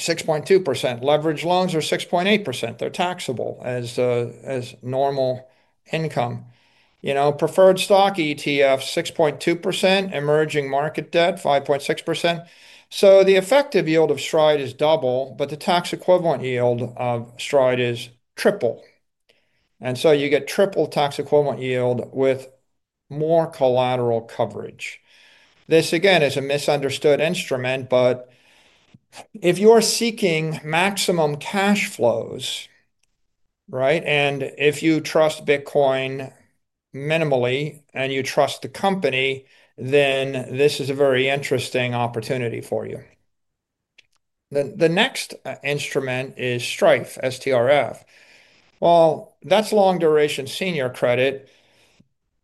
6.2%. Leveraged loans are 6.8%. They're taxable as normal income. Preferred stock ETF, 6.2%. Emerging market debt, 5.6%. The effective yield of Stride is double, but the tax-equivalent yield of Stride is triple. You get triple tax-equivalent yield with more collateral coverage. This, again, is a misunderstood instrument. If you are seeking maximum cash flows, and if you trust Bitcoin minimally and you trust the company, then this is a very interesting opportunity for you. The next instrument is Strife, STRF. That's long-duration senior credit.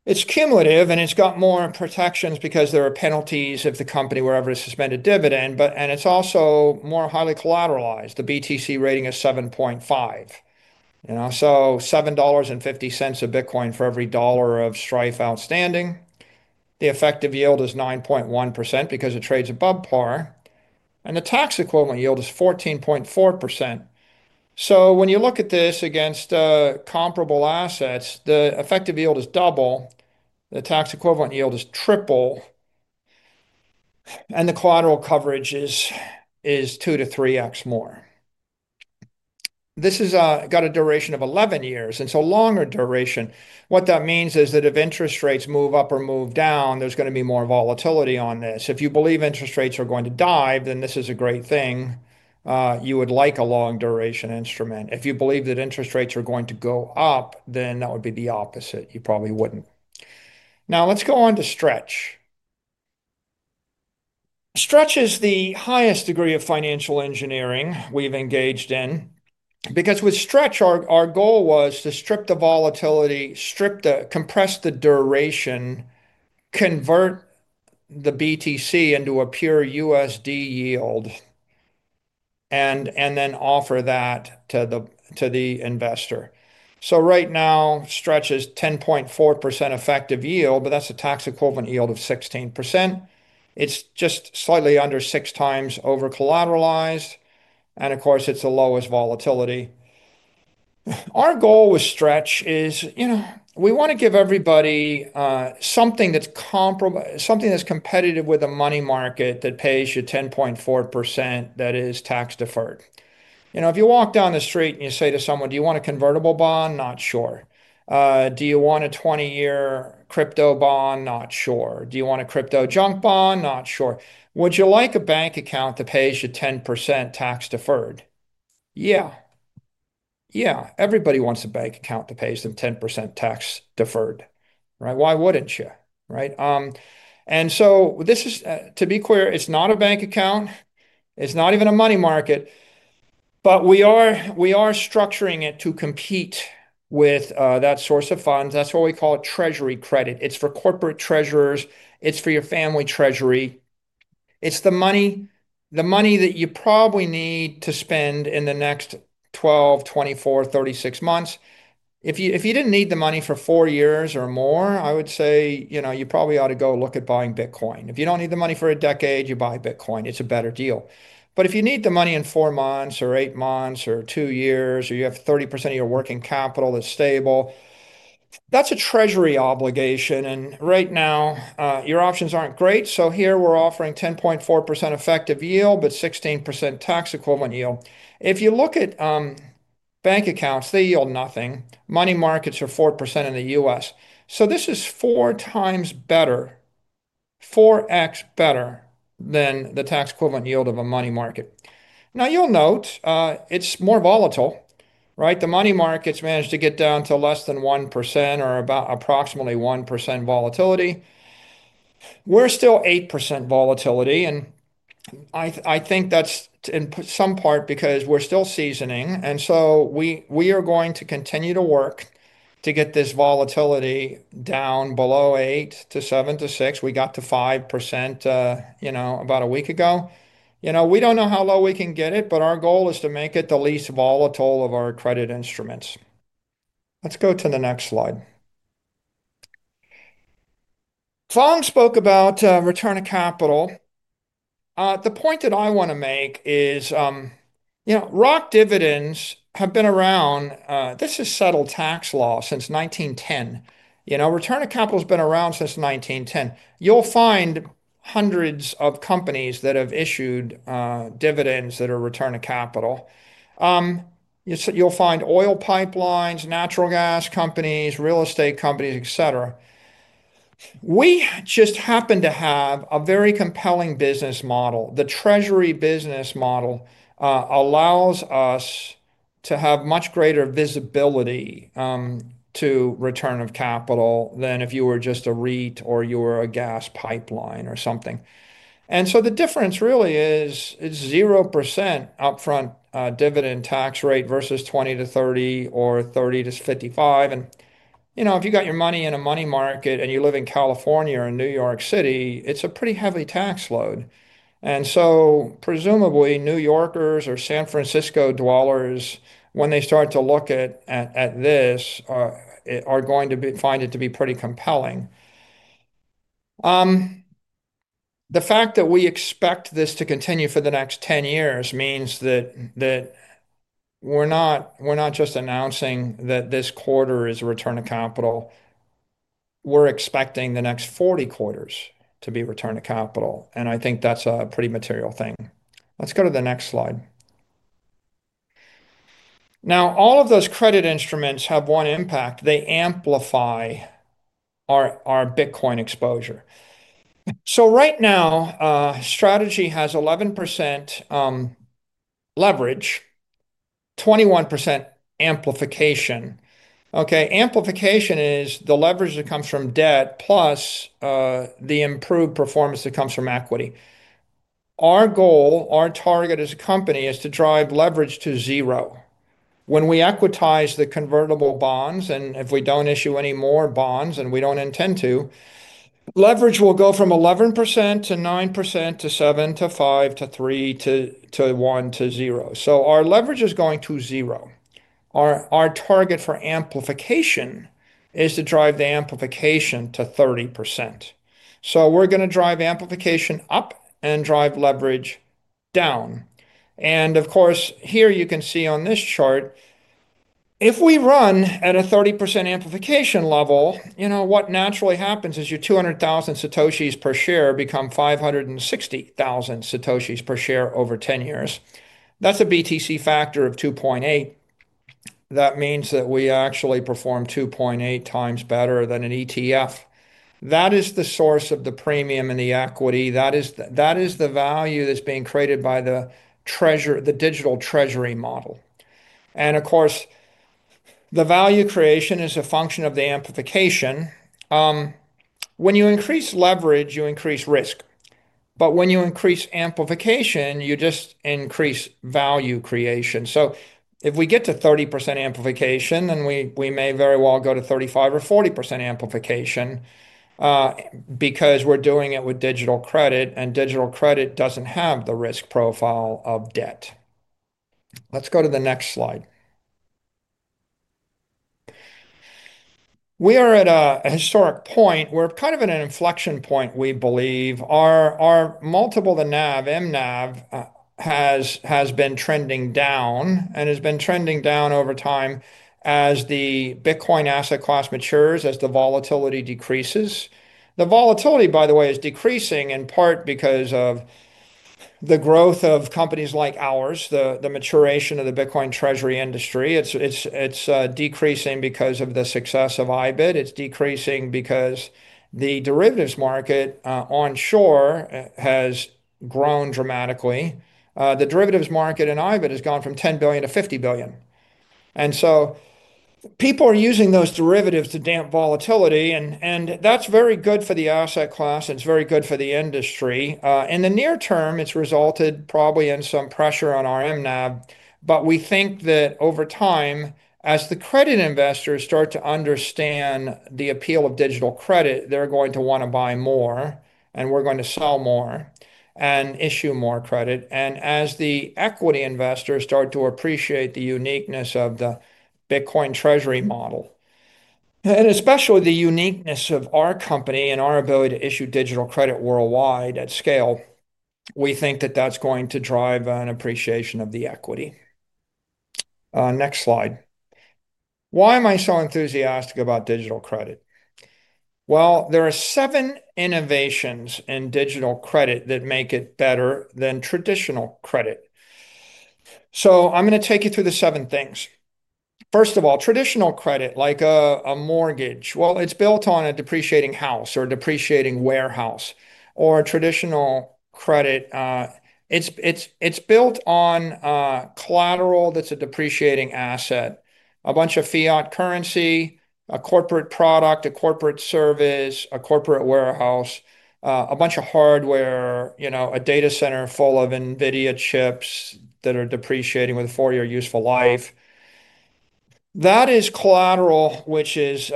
It's cumulative, and it's got more protections because there are penalties if the company ever suspended dividend. It's also more highly collateralized. The BTC rating is $7.5. So $7.50 a Bitcoin for every dollar of Strife outstanding. The effective yield is 9.1% because it trades above par. The tax-equivalent yield is 14.4%. When you look at this against comparable assets, the effective yield is double. The tax-equivalent yield is triple. The collateral coverage is 2x-3x more. This has got a duration of 11 years. Longer duration means that if interest rates move up or move down, there's going to be more volatility on this. If you believe interest rates are going to dive, then this is a great thing. You would like a long-duration instrument. If you believe that interest rates are going to go up, then that would be the opposite. You probably wouldn't. Now, let's go on to Stretch. Stretch is the highest degree of financial engineering we've engaged in. With Stretch, our goal was to strip the volatility, compress the duration, convert the Bitcoin into a pure USD yield, and then offer that to the investor. Right now, Stretch is 10.4% effective yield, but that's a tax-equivalent yield of 16%. It's just slightly under 6x over-collateralized, and of course, it's the lowest volatility. Our goal with Stretch is to give everybody something that's competitive with the money market that pays you 10.4% that is tax-deferred. If you walk down the street and you say to someone, "Do you want a convertible bond?" "Not sure." "Do you want a 20-year crypto bond?" "Not sure." "Do you want a crypto junk bond?" "Not sure." "Would you like a bank account that pays you 10% tax-deferred?" "Yeah." "Yeah." Everybody wants a bank account that pays them 10% tax-deferred, right? Why wouldn't you, right? To be clear, it's not a bank account. It's not even a money market, but we are structuring it to compete with that source of funds. That's why we call it treasury credit. It's for corporate treasurers. It's for your family treasury. It's the money that you probably need to spend in the next 12, 24, 36 months. If you didn't need the money for four years or more, I would say you probably ought to go look at buying Bitcoin. If you don't need the money for a decade, you buy Bitcoin. It's a better deal. If you need the money in four months or eight months or two years, or you have 30% of your working capital that's stable, that's a treasury obligation. Right now, your options aren't great. Here, we're offering 10.4% effective yield, but 16% tax-equivalent yield. If you look at bank accounts, they yield nothing. Money markets are 4% in the U.S. This is four times better, 4x better than the tax-equivalent yield of a money market. You'll note it's more volatile, right? The money markets manage to get down to less than 1% or approximately 1% volatility. We're still 8% volatility. I think that's in some part because we're still seasoning, and we are going to continue to work to get this volatility down below 8% to 7% to 6%. We got to 5% about a week ago. We don't know how low we can get it, but our goal is to make it the least volatile of our credit instruments. Let's go to the next slide. Phong spoke about return to capital. The point that I want to make is, ROC dividends have been around. This is settled tax law since 1910. Return to capital has been around since 1910. You'll find hundreds of companies that have issued dividends that are return to capital. You'll find oil pipelines, natural gas companies, real estate companies, etc. We just happen to have a very compelling business model. The treasury business model allows us to have much greater visibility to return of capital than if you were just a REIT or you were a gas pipeline or something. The difference really is 0% upfront dividend tax rate versus 20%-30% or 30%-55%. If you've got your money in a money market and you live in California or New York City, it's a pretty heavy tax load. Presumably, New Yorkers or San Francisco dwellers, when they start to look at this, are going to find it to be pretty compelling. The fact that we expect this to continue for the next 10 years means that we're not just announcing that this quarter is return to capital. We're expecting the next 40 quarters to be return to capital. I think that's a pretty material thing. Let's go to the next slide. Now, all of those credit instruments have one impact. They amplify our Bitcoin exposure. Right now, Strategy has 11% leverage, 21% amplification. Amplification is the leverage that comes from debt plus the improved performance that comes from equity. Our goal, our target as a company, is to drive leverage to zero. When we equitize the convertible bonds, and if we don't issue any more bonds and we don't intend to, leverage will go from 11% to 9% to 7% to 5% to 3% to 1% to 0%. Our leverage is going to zero. Our target for amplification is to drive the amplification to 30%. We're going to drive amplification up and drive leverage down. Here you can see on this chart, if we run at a 30% amplification level, what naturally happens is your 200,000 satoshis per share become 560,000 satoshis per share over 10 years. That's a BTC factor of 2.8. That means that we actually perform 2.8x better than an ETF. That is the source of the premium and the equity. That is the value that's being created by the digital treasury model. The value creation is a function of the amplification. When you increase leverage, you increase risk. When you increase amplification, you just increase value creation. If we get to 30% amplification, then we may very well go to 35% or 40% amplification because we're doing it with digital credit, and digital credit doesn't have the risk profile of debt. Let's go to the next slide. We are at a historic point. We're kind of at an inflection point, we believe. Our multiple-to-net asset value, MNAV, has been trending down and has been trending down over time as the Bitcoin asset class matures, as the volatility decreases. The volatility, by the way, is decreasing in part because of the growth of companies like ours, the maturation of the Bitcoin treasury industry. It's decreasing because of the success of IBIT. It's decreasing because the derivatives market onshore has grown dramatically. The derivatives market in IBIT has gone from $10 billion to $50 billion. People are using those derivatives to damp volatility, and that's very good for the asset class, and it's very good for the industry. In the near-term, it's resulted probably in some pressure on our MNAV. We think that over time, as the credit investors start to understand the appeal of digital credit, they're going to want to buy more, and we're going to sell more and issue more credit. As the equity investors start to appreciate the uniqueness of the Bitcoin treasury model, and especially the uniqueness of our company and our ability to issue digital credit worldwide at scale, we think that that's going to drive an appreciation of the equity. Next slide. Why am I so enthusiastic about digital credit? There are seven innovations in digital credit that make it better than traditional credit. I'm going to take you through the seven things. First of all, traditional credit, like a mortgage, is built on a depreciating house or a depreciating warehouse. Traditional credit is built on collateral that's a depreciating asset, a bunch of fiat currency, a corporate product, a corporate service, a corporate warehouse, a bunch of hardware, a data center full of NVIDIA chips that are depreciating with a four-year useful life. That is collateral, which is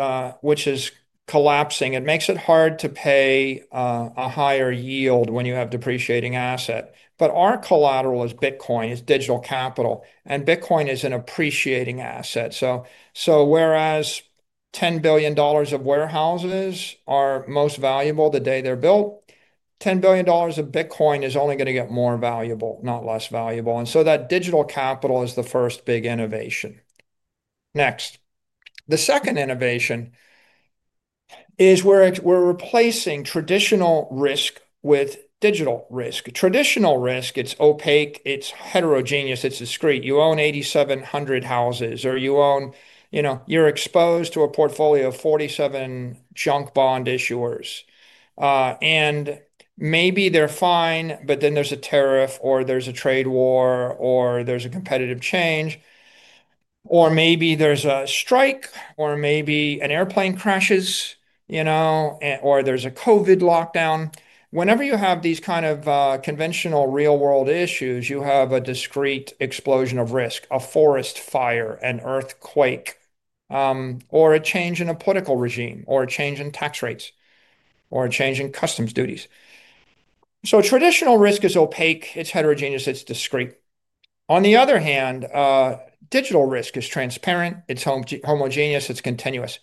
collapsing. It makes it hard to pay a higher yield when you have depreciating asset. Our collateral is Bitcoin, is digital capital. Bitcoin is an appreciating asset. Whereas $10 billion of warehouses are most valuable the day they're built, $10 billion of Bitcoin is only going to get more valuable, not less valuable. That digital capital is the first big innovation. Next, the second innovation is we're replacing traditional risk with digital risk. Traditional risk is opaque, it's heterogeneous, it's discrete. You own 8,700 houses, or you're exposed to a portfolio of 47 junk bond issuers. Maybe they're fine, but then there's a tariff, or there's a trade war, or there's a competitive change. Maybe there's a strike, or maybe an airplane crashes, or there's a COVID lockdown. Whenever you have these kinds of conventional real-world issues, you have a discrete explosion of risk, a forest fire, an earthquake, or a change in a political regime, or a change in tax rates, or a change in customs duties. Traditional risk is opaque, it's heterogeneous, it's discrete. On the other hand, digital risk is transparent, it's homogeneous, it's continuous.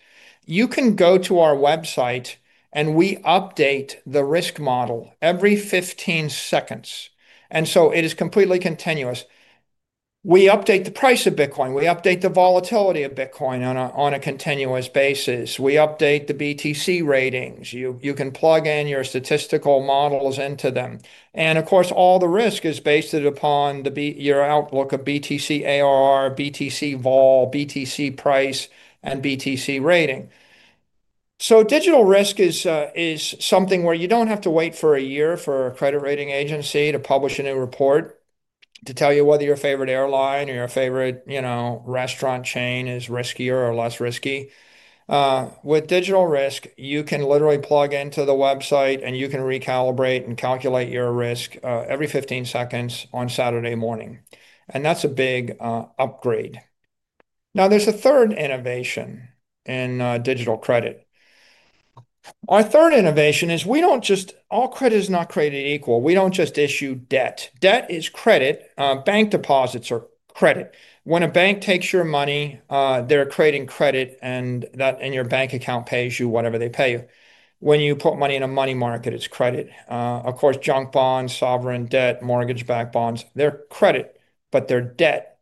You can go to our website and we update the risk model every 15 seconds, so it is completely continuous. We update the price of Bitcoin, we update the volatility of Bitcoin on a continuous basis, we update the BTC ratings, you can plug in your statistical models into them. All the risk is based upon your outlook of BTC ARR, BTC vol, BTC price, and BTC rating. Digital risk is something where you don't have to wait for a year for a credit rating agency to publish a new report to tell you whether your favorite airline or your favorite restaurant chain is riskier or less risky. With digital risk, you can literally plug into the website and you can recalibrate and calculate your risk every 15 seconds on Saturday morning. That's a big upgrade. There's a third innovation in digital credit. Our third innovation is we don't just, all credit is not created equal. We don't just issue debt. Debt is credit. Bank deposits are credit. When a bank takes your money, they're creating credit, and your bank account pays you whatever they pay you. When you put money in a money market, it's credit. Junk bonds, sovereign debt, mortgage-backed bonds, they're credit, but they're debt.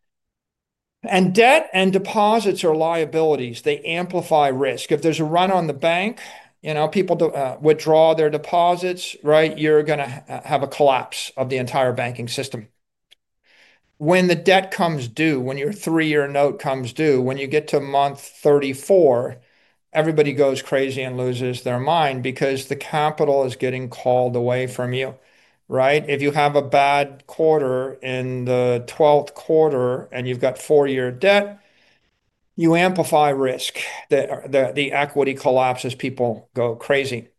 Debt and deposits are liabilities. They amplify risk. If there's a run on the bank, people withdraw their deposits, right? You're going to have a collapse of the entire banking system. When the debt comes due, when your three-year note comes due, when you get to month 34, everybody goes crazy and loses their mind because the capital is getting called away from you, right? If you have a bad quarter in the 12th quarter and you've got four-year debt, you amplify risk. The equity collapses, people go crazy.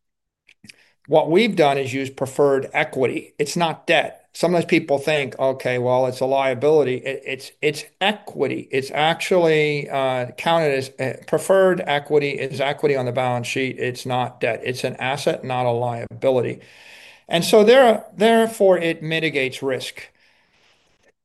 What we've done is use preferred equity. It's not debt. Sometimes people think, "Okay, well, it's a liability." It's equity. It's actually counted as preferred equity, is equity on the balance sheet. It's not debt. It's an asset, not a liability, and therefore, it mitigates risk.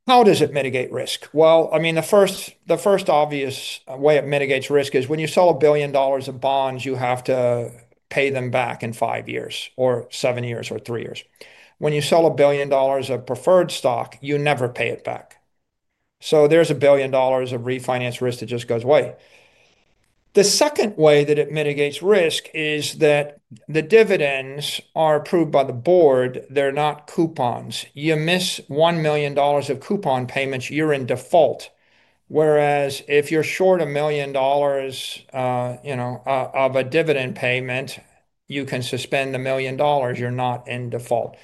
How does it mitigate risk? The first obvious way it mitigates risk is when you sell $1 billion of bonds, you have to pay them back in five years or seven years or three years. When you sell $1 billion of preferred stock, you never pay it back, so there's $1 billion of refinance risk that just goes away. The second way that it mitigates risk is that the dividends are approved by the board. They're not coupons. You miss $1 million of coupon payments, you're in default. Whereas if you're short $1 million of a dividend payment, you can suspend $1 million. You're not in default.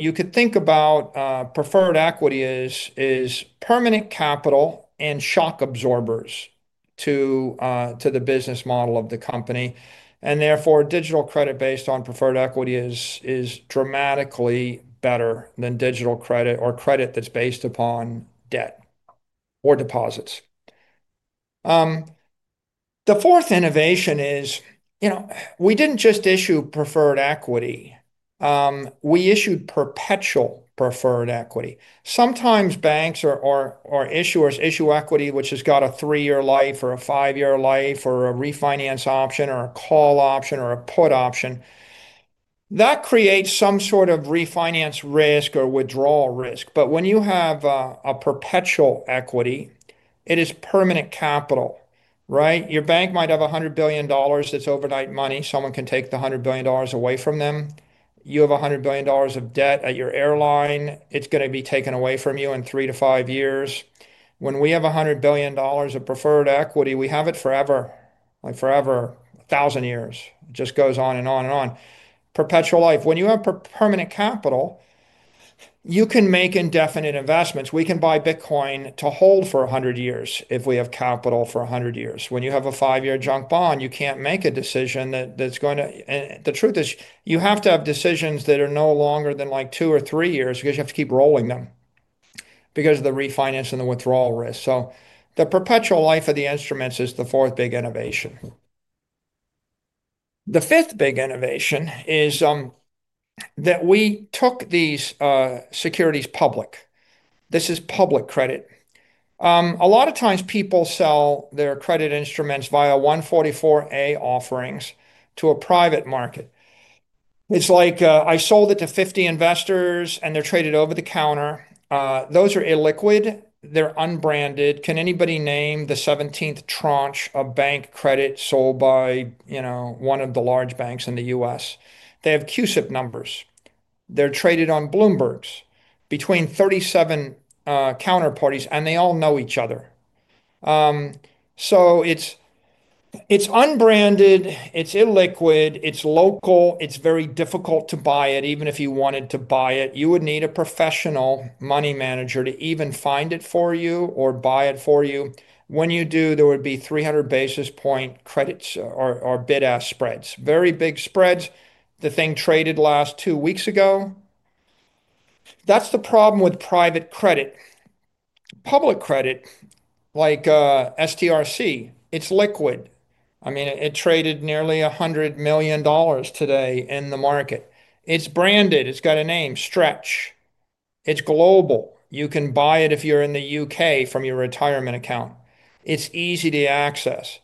You could think about preferred equity as permanent capital and shock absorbers to the business model of the company. Therefore, digital credit based on preferred equity is dramatically better than digital credit or credit that's based upon debt or deposits. The fourth innovation is we didn't just issue preferred equity. We issued perpetual preferred equity. Sometimes banks or issuers issue equity which has got a three-year life or a five-year life or a refinance option or a call option or a put option. That creates some sort of refinance risk or withdrawal risk. When you have a perpetual equity, it is permanent capital, right? Your bank might have $100 billion that's overnight money. Someone can take the $100 billion away from them. You have $100 billion of debt at your airline. It's going to be taken away from you in three to five years. When we have $100 billion of preferred equity, we have it forever, like forever, a thousand years. It just goes on and on and on. Perpetual life. When you have permanent capital, you can make indefinite investments. We can buy Bitcoin to hold for 100 years if we have capital for 100 years. When you have a five-year junk bond, you can't make a decision that's going to, and the truth is you have to have decisions that are no longer than like two or three years because you have to keep rolling them because of the refinance and the withdrawal risk. The perpetual life of the instruments is the fourth big innovation. The fifth big innovation is that we took these securities public. This is public credit. A lot of times, people sell their credit instruments via 144A offerings to a private market. It's like I sold it to 50 investors, and they're traded over the counter. Those are illiquid. They're unbranded. Can anybody name the 17th tranche of bank credit sold by one of the large banks in the U.S.? They have CUSIP numbers. They're traded on Bloombergs between 37 counterparties, and they all know each other. It's unbranded, it's illiquid, it's local, it's very difficult to buy it, even if you wanted to buy it, you would need a professional money manager to even find it for you or buy it for you. When you do, there would be 300 basis point credits or bid-ask spreads. Very big spreads, the thing traded last two weeks ago. That's the problem with private credit. Public credit, like STRC, it's liquid. It traded nearly $100 million today in the market. It's branded. It's got a name, Stretch. It's global. You can buy it if you're in the U.K. from your retirement account. It's easy to access.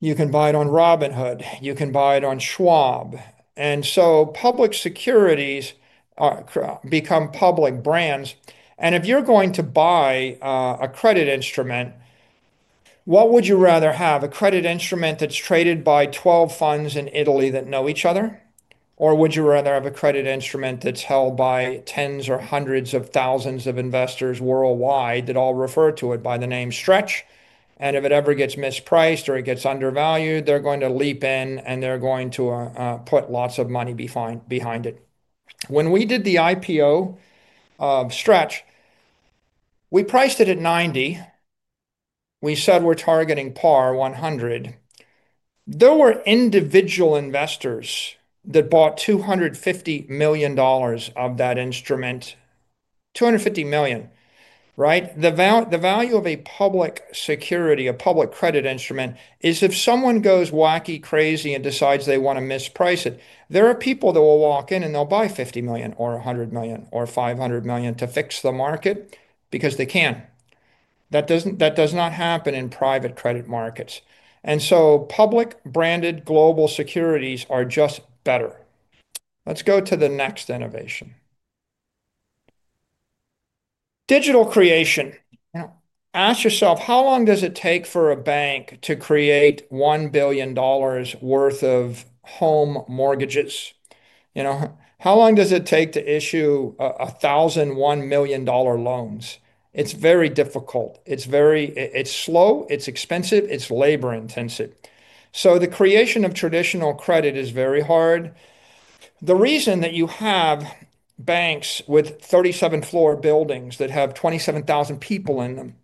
You can buy it on Robinhood. You can buy it on Schwab. Public securities become public brands. If you're going to buy a credit instrument, what would you rather have? A credit instrument that's traded by 12 funds in Italy that know each other or would you rather have a credit instrument that's held by tens or hundreds of thousands of investors worldwide that all refer to it by the name Stretch? If it ever gets mispriced or it gets undervalued, they're going to leap in and they're going to put lots of money behind it. When we did the IPO of Stretch, we priced it at $90 million. We said we're targeting par $100 million. There were individual investors that bought $250 million of that instrument. $250 million, right? The value of a public security, a public credit instrument, is if someone goes wacky, crazy, and decides they want to misprice it, there are people that will walk in and they'll buy $50 million or $100 million or $500 million to fix the market because they can. That does not happen in private credit markets. Public branded global securities are just better. Let's go to the next innovation. Digital creation. Ask yourself, how long does it take for a bank to create $1 billion worth of home mortgages? How long does it take to issue 1,001-$1 million loans? It's very difficult. It's slow, it's expensive, it's labor-intensive. The creation of traditional credit is very hard. The reason that you have banks with 37-floor buildings that have 27,000 people in them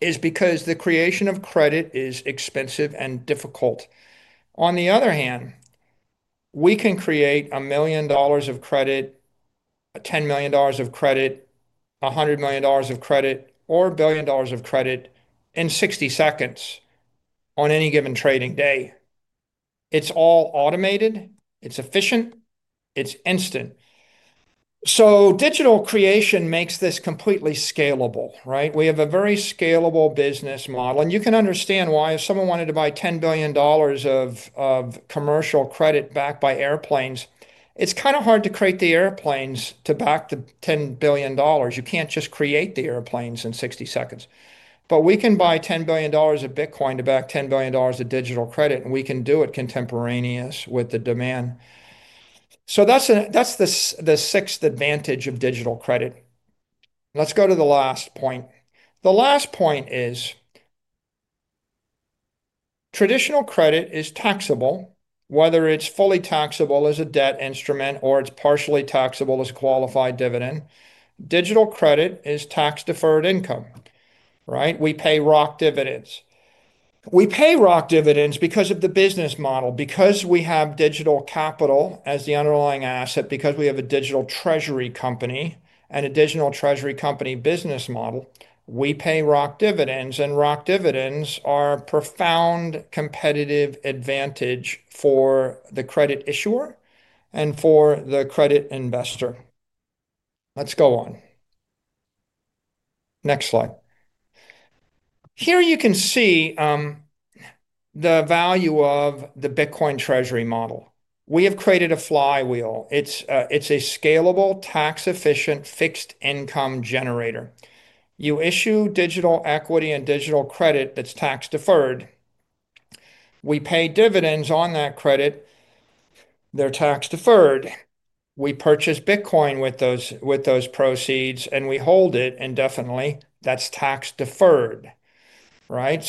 is because the creation of credit is expensive and difficult. On the other hand, we can create $1 million of credit, $10 million of credit, $100 million of credit, or $1 billion of credit in 60 seconds on any given trading day. It's all automated, it's efficient, it's instant. Digital creation makes this completely scalable, right? We have a very scalable business model, and you can understand why. If someone wanted to buy $10 billion of commercial credit backed by airplanes, it's kind of hard to create the airplanes to back the $10 billion. You can't just create the airplanes in 60 seconds. We can buy $10 billion of Bitcoin to back $10 billion of digital credit, and we can do it contemporaneous with the demand. That's the sixth advantage of digital credit. Let's go to the last point. The last point is, traditional credit is taxable, whether it's fully taxable as a debt instrument or it's partially taxable as a qualified dividend. Digital credit is tax-deferred income, right? We pay ROC dividends. We pay ROC dividends because of the business model, because we have digital capital as the underlying asset, because we have a digital treasury company and a digital treasury company business model. We pay ROC dividends, and ROC dividends are a profound competitive advantage for the credit issuer and for the credit investor. Let's go on. Next slide. Here you can see the value of the Bitcoin treasury model. We have created a flywheel. It's a scalable, tax-efficient, fixed-income generator. You issue digital equity and digital credit that's tax-deferred. We pay dividends on that credit, they're tax-deferred. We purchase Bitcoin with those proceeds, and we hold it indefinitely. That's tax-deferred, right?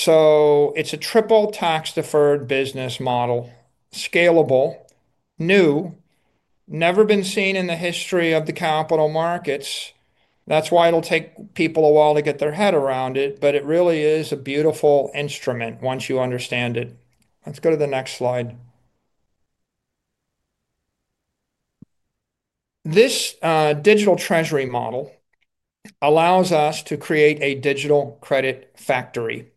It's a triple tax-deferred business model, scalable, new, never been seen in the history of the capital markets. That's why it'll take people a while to get their head around it, but it really is a beautiful instrument once you understand it. Let's go to the next slide. This digital treasury model allows us to create a digital credit factory.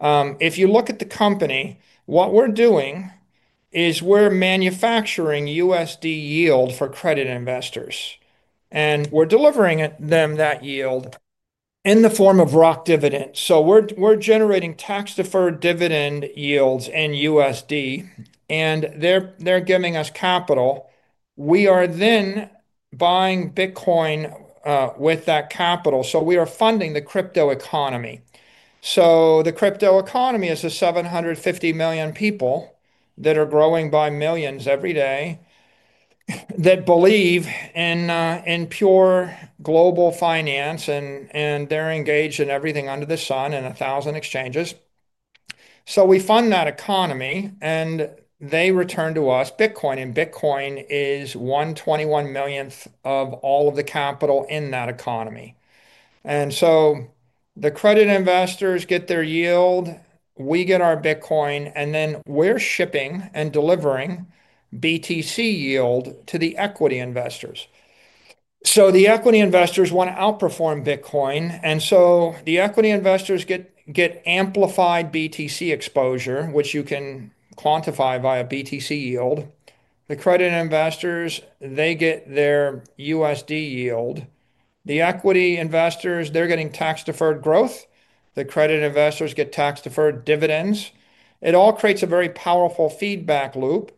If you look at the company, what we're doing is we're manufacturing USD yield for credit investors, and we're delivering them that yield in the form of ROC dividends. We're generating tax-deferred dividend yields in USD, and they're giving us capital. We are then buying Bitcoin with that capital. We are funding the crypto economy. The crypto economy is the 750 million people that are growing by millions every day that believe in pure global finance, and they're engaged in everything under the sun and a thousand exchanges. We fund that economy, and they return to us Bitcoin, and Bitcoin is 1/21 millionth of all of the capital in that economy. The credit investors get their yield, we get our Bitcoin, and then we're shipping and delivering BTC yield to the equity investors. The equity investors want to outperform Bitcoin, and the equity investors get amplified BTC exposure, which you can quantify via BTC yield. The credit investors get their USD yield. The equity investors, they're getting tax-deferred growth. The credit investors get tax-deferred dividends. It all creates a very powerful feedback loop.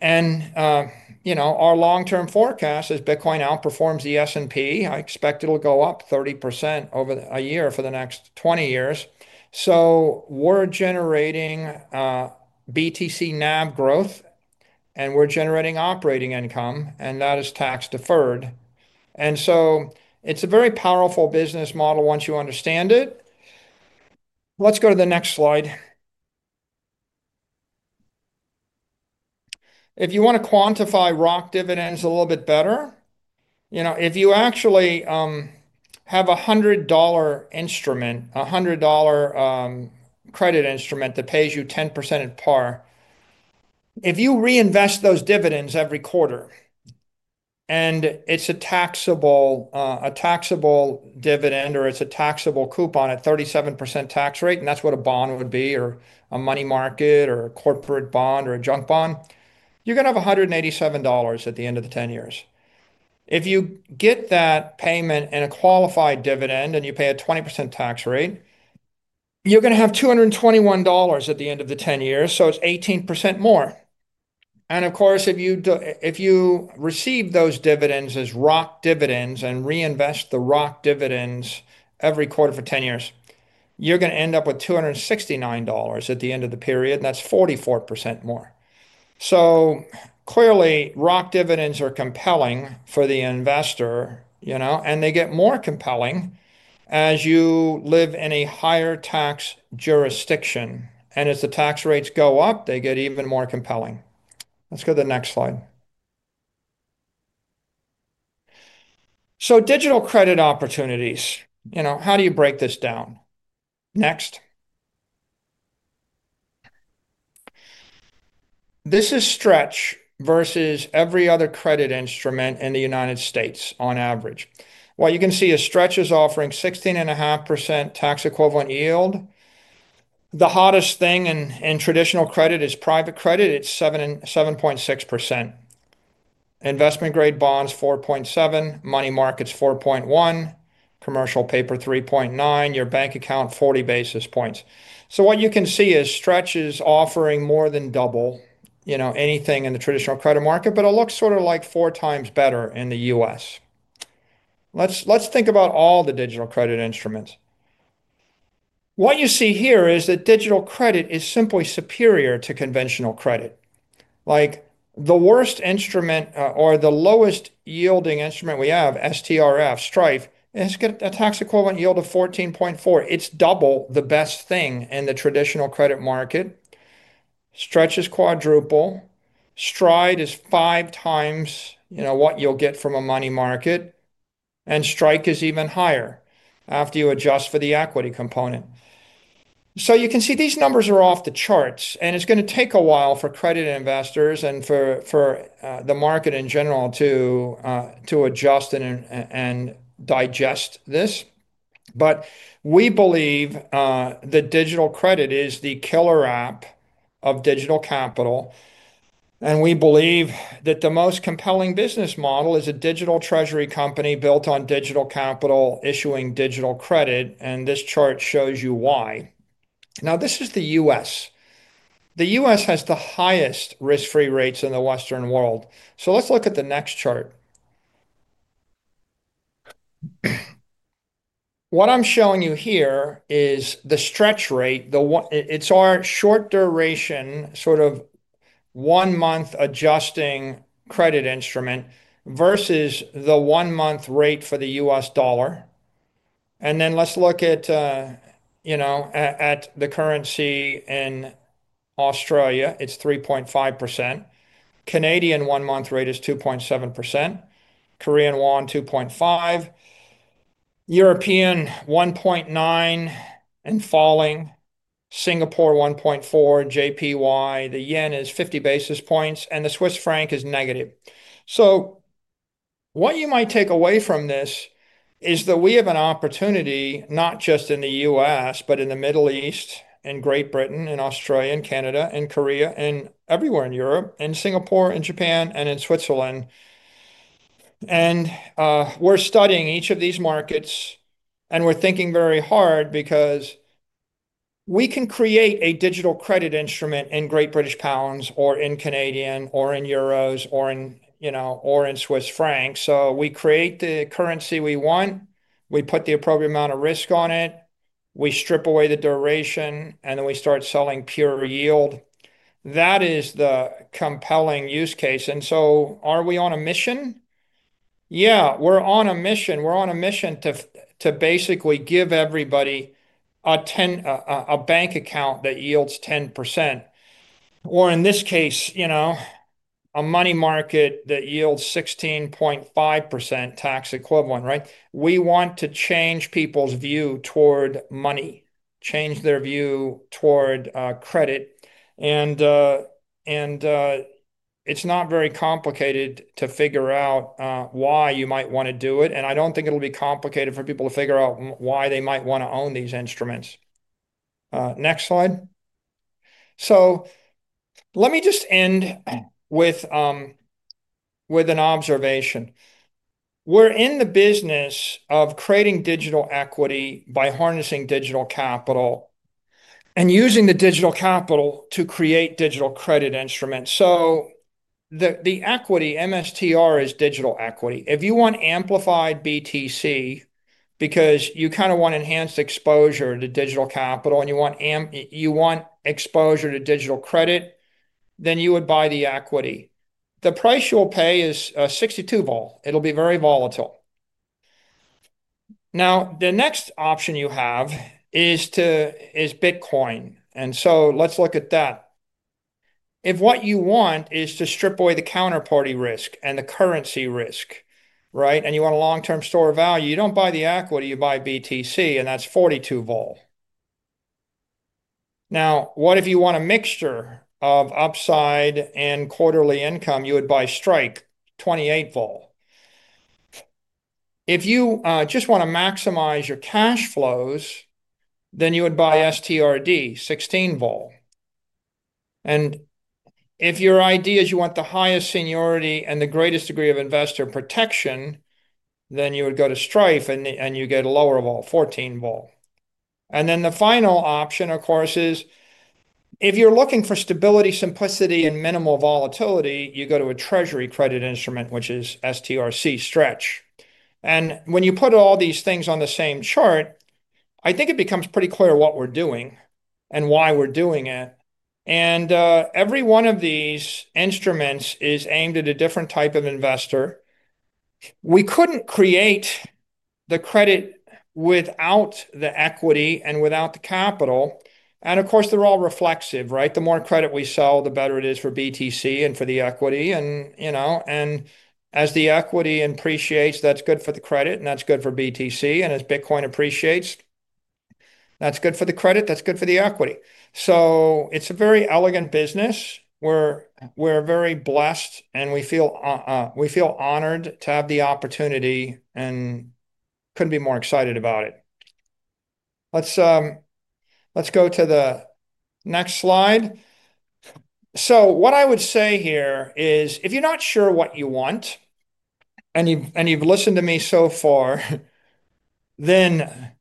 You know, our long-term forecast is Bitcoin outperforms the S&P. I expect it'll go up 30% over a year for the next 20 years. We're generating BTC NAV growth, and we're generating operating income, and that is tax-deferred. It's a very powerful business model once you understand it. Let's go to the next slide. If you want to quantify ROC dividends a little bit better, if you actually have a $100 instrument, a $100 credit instrument that pays you 10% at par, if you reinvest those dividends every quarter, and it's a taxable dividend, or it's a taxable coupon at 37% tax rate, and that's what a bond would be, or a money market, or a corporate bond, or a junk bond, you're going to have $187 at the end of the 10 years. If you get that payment and a qualified dividend, and you pay a 20% tax rate, you're going to have $221 at the end of the 10 years, so it's 18% more. Of course, if you do, if you receive those dividends as ROC dividends and reinvest the ROC dividends every quarter for 10 years, you're going to end up with $269 at the end of the period, and that's 44% more. Clearly, ROC dividends are compelling for the investor, you know, and they get more compelling as you live in a higher tax jurisdiction. As the tax rates go up, they get even more compelling. Let's go to the next slide. Digital credit opportunities, you know, how do you break this down? Next. This is Stretch versus every other credit instrument in the United States on average. You can see Stretch is offering 16.5% tax equivalent yield. The hottest thing in traditional credit is private credit, it's 7.6%. Investment grade bonds 4.7%, money markets 4.1%, commercial paper 3.9%, your bank account 40 basis points. You can see Stretch is offering more than double anything in the traditional credit market, but it looks sort of like 4x better in the U.S. Let's think about all the digital credit instruments. What you see here is that digital credit is simply superior to conventional credit. The worst instrument, or the lowest yielding instrument we have, STRF, Strife, it's got a tax equivalent yield of 14.4%. It's double the best thing in the traditional credit market. Stretch is quadruple, Stride is 5x what you'll get from a money market and Strike is even higher after you adjust for the equity component. You can see these numbers are off the charts, and it's going to take a while for credit investors and for the market in general to adjust and digest this. We believe that digital credit is the killer app of digital capital, and we believe that the most compelling business model is a digital treasury company built on digital capital issuing digital credit, and this chart shows you why. This is the U.S. The U.S. has the highest risk-free rates in the Western world. Let's look at the next chart. What I'm showing you here is the Stretch rate, the one, it's our short duration, sort of one-month adjusting credit instrument, versus the one-month rate for the U.S. dollar. Then let's look at the currency in Australia, it's 3.5%. Canadian one-month rate is 2.7%. Korean Won 2.5%. European 1.9% and falling. Singapore 1.4%, JPY, the Yen is $0.50 basis points, and the Swiss Franc is negative. What you might take away from this is that we have an opportunity not just in the U.S., but in the Middle East, in Great Britain, in Australia, in Canada, in Korea, everywhere in Europe, in Singapore, in Japan, and in Switzerland. We're studying each of these markets, and we're thinking very hard because we can create a digital credit instrument in Great British Pounds, or in Canadian, or in Euros, or in, you know, or in Swiss Franc. We create the currency we want, we put the appropriate amount of risk on it, we strip away the duration, and then we start selling pure yield. That is the compelling use case. Are we on a mission? Yeah, we're on a mission. We're on a mission to basically give everybody a bank account that yields 10% or in this case, you know, a money market that yields 16.5% tax equivalent, right? We want to change people's view toward money, change their view toward credit. It's not very complicated to figure out why you might want to do it. I don't think it'll be complicated for people to figure out why they might want to own these instruments. Next slide. Let me just end with an observation. We're in the business of creating digital equity by harnessing digital capital and using the digital capital to create digital credit instruments. The equity, MSTR, is digital equity. If you want amplified BTC because you kind of want enhanced exposure to digital capital and you want exposure to digital credit, then you would buy the equity. The price you'll pay is a 62-vol. It'll be very volatile. The next option you have is Bitcoin. Let's look at that. If what you want is to strip away the counterparty risk and the currency risk, and you want a long-term store of value, you don't buy the equity, you buy BTC, and that's 42-vol. What if you want a mixture of upside and quarterly income? You would buy Strike, 28-vol. If you just want to maximize your cash flows, then you would buy STRD, 16-vol. If your idea is you want the highest seniority and the greatest degree of investor protection, then you would go to Strife and you get a lower-vol, 14-vol. The final option, of course, is if you're looking for stability, simplicity, and minimal volatility, you go to a treasury credit instrument, which is STRC, Stretch. When you put all these things on the same chart, I think it becomes pretty clear what we're doing and why we're doing it. Every one of these instruments is aimed at a different type of investor. We couldn't create the credit without the equity and without the capital. Of course, they're all reflexive, right? The more credit we sell, the better it is for BTC and for the equity. As the equity appreciates, that's good for the credit, and that's good for BTC. As Bitcoin appreciates, that's good for the credit, that's good for the equity. It's a very elegant business. We're very blessed, and we feel honored to have the opportunity and couldn't be more excited about it. Let's go to the next slide. What I would say here is if you're not sure what you want, and you've listened to me so far, then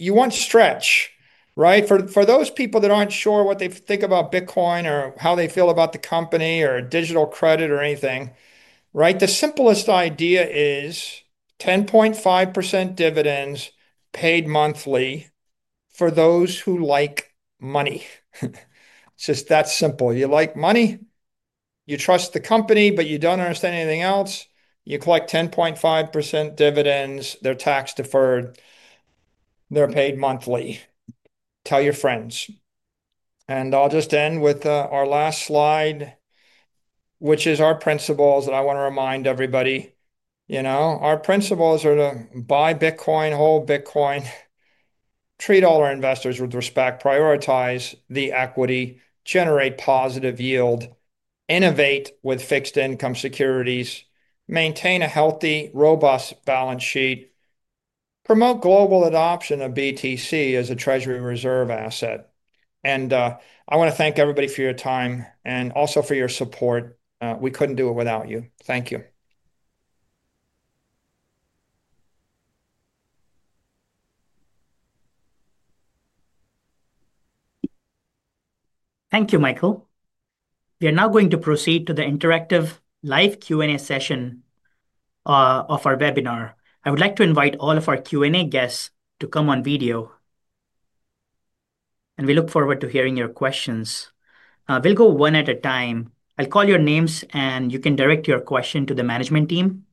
you want Stretch, right? For those people that aren't sure what they think about Bitcoin or how they feel about the company or digital credit or anything, the simplest idea is 10.5% dividends paid monthly for those who like money. It's just that simple. You like money, you trust the company, but you don't understand anything else. You collect 10.5% dividends. They're tax-deferred, they're paid monthly. Tell your friends. I'll just end with our last slide, which is our principles that I want to remind everybody. Our principles are to buy Bitcoin, hold Bitcoin, treat all our investors with respect, prioritize the equity, generate positive yield, innovate with fixed income securities, maintain a healthy, robust balance sheet, and promote global adoption of BTC as a treasury reserve asset. I want to thank everybody for your time and also for your support. We couldn't do it without you. Thank you. Thank you, Michael. We are now going to proceed to the interactive live Q&A session of our webinar. I would like to invite all of our Q&A guests to come on video, and we look forward to hearing your questions. We'll go one at a time. I'll call your names, and you can direct your question to the management team.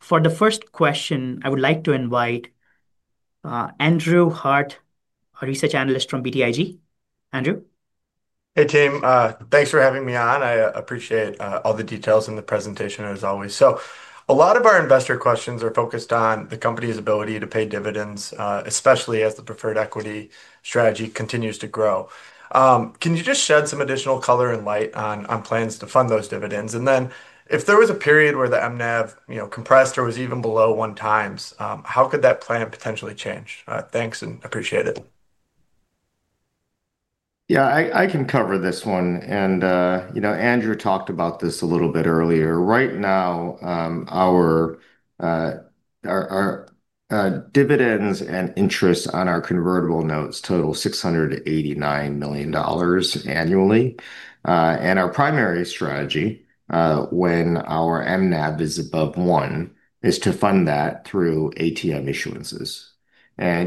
For the first question, I would like to invite Andrew Harte, a research analyst from BTIG. Andrew. Hey, team. Thanks for having me on. I appreciate all the details in the presentation as always. A lot of our investor questions are focused on the company's ability to pay dividends, especially as the preferred equity strategy continues to grow. Can you just shed some additional color and light on plans to fund those dividends? If there was a period where the MNEV compressed or was even below one times, how could that plan potentially change? Thanks and appreciate it. Yeah, I can cover this one. Andrew talked about this a little bit earlier. Right now, our dividends and interest on our convertible notes total $689 million annually. Our primary strategy, when our MNEV is above one, is to fund that through ATM issuances.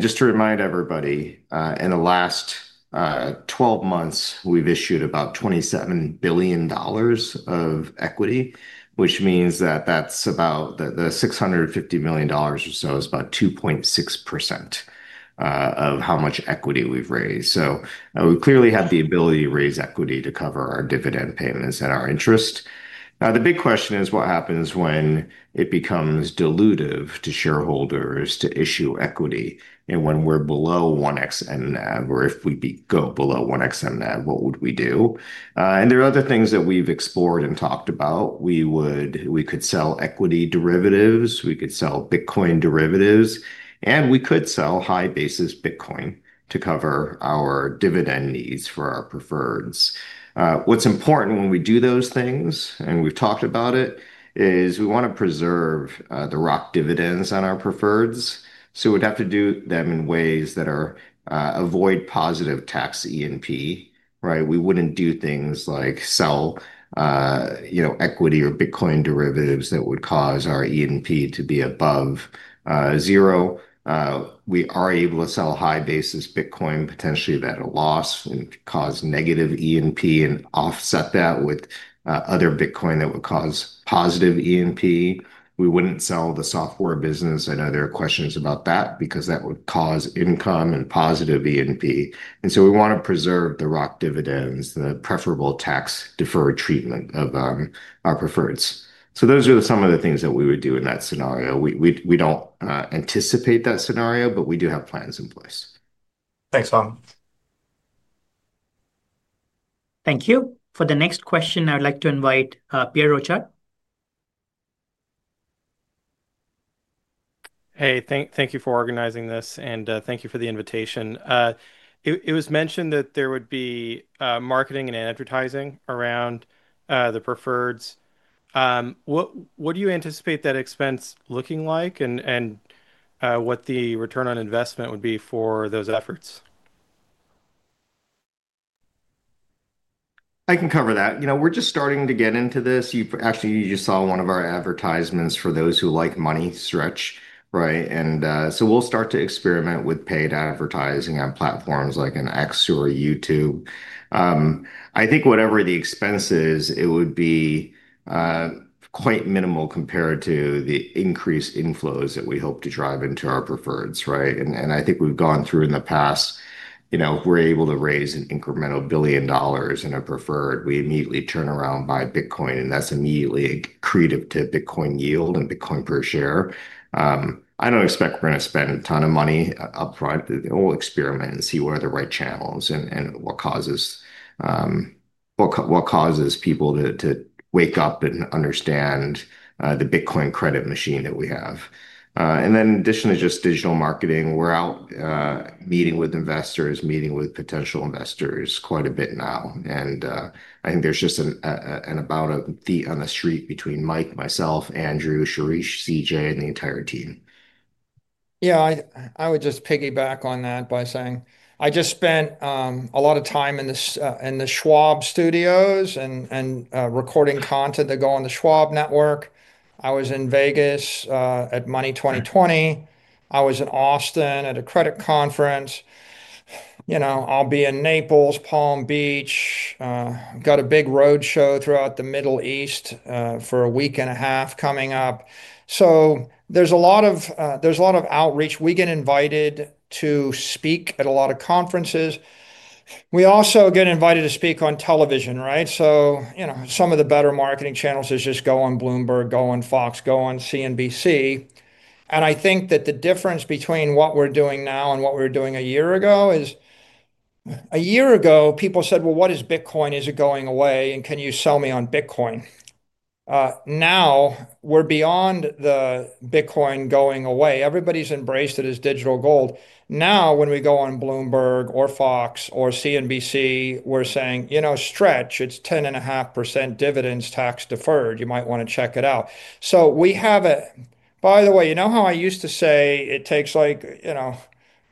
Just to remind everybody, in the last 12 months, we've issued about $27 billion of equity, which means that the $650 million or so is about 2.6% of how much equity we've raised. We clearly have the ability to raise equity to cover our dividend payments and our interest. The big question is what happens when it becomes dilutive to shareholders to issue equity. When we're below 1x MNEV, or if we go below 1x MNEV, what would we do? There are other things that we've explored and talked about. We could sell equity derivatives, we could sell Bitcoin derivatives, and we could sell high basis Bitcoin to cover our dividend needs for our preferreds. What's important when we do those things, and we've talked about it, is we want to preserve the ROC dividends on our preferreds. We'd have to do them in ways that avoid positive tax E&P, right? We wouldn't do things like sell equity or Bitcoin derivatives that would cause our E&P to be above zero. We are able to sell high basis Bitcoin, potentially at a loss and cause negative E&P, and offset that with other Bitcoin that would cause positive E&P. We wouldn't sell the software business. I know there are questions about that because that would cause income and positive E&P. We want to preserve the ROC dividends, the preferable tax deferred treatment of our preferreds. Those are some of the things that we would do in that scenario. We don't anticipate that scenario, but we do have plans in place. Thanks, Phong. Thank you. For the next question, I would like to invite Pierre Rochard. Thank you for organizing this and thank you for the invitation. It was mentioned that there would be marketing and advertising around the preferreds. What do you anticipate that expense looking like and what the return on investment would be for those efforts? I can cover that. We're just starting to get into this. You actually, you just saw one of our advertisements for those who like money, Stretch, right? We'll start to experiment with paid advertising on platforms like X or YouTube. I think whatever the expense is, it would be quite minimal compared to the increased inflows that we hope to drive into our preferreds, right? I think we've gone through in the past, you know, if we're able to raise an incremental $1 billion in a preferred, we immediately turn around, buy Bitcoin, and that's immediately accretive to Bitcoin yield and Bitcoin per share. I do not expect we are going to spend a ton of money upfront. We'll experiment and see what are the right channels and what causes people to wake up and understand the Bitcoin credit machine that we have. Additionally, just digital marketing, we're out meeting with investors, meeting with potential investors quite a bit now. I think there's just about a feet on the street between Mike, myself, Andrew, Shirish, CJ, and the entire team. I would just piggyback on that by saying I just spent a lot of time in the Schwab studios and recording content to go on the Schwab network. I was in Vegas at Money 2020. I was in Austin at a credit conference. I'll be in Naples, Palm Beach, got a big roadshow throughout the Middle East for a week and a half coming up. There's a lot of outreach. We get invited to speak at a lot of conferences. We also get invited to speak on television, right? Some of the better marketing channels is just go on Bloomberg, go on Fox, go on CNBC. I think that the difference between what we're doing now and what we were doing a year ago is a year ago, people said, well, what is Bitcoin? Is it going away? Can you sell me on Bitcoin? Now we're beyond the Bitcoin going away. Everybody's embraced it as digital gold. Now, when we go on Bloomberg or Fox or CNBC, we're saying, you know, Stretch, it's 10.5% dividends tax deferred. You might want to check it out. By the way, you know how I used to say it takes like, you know,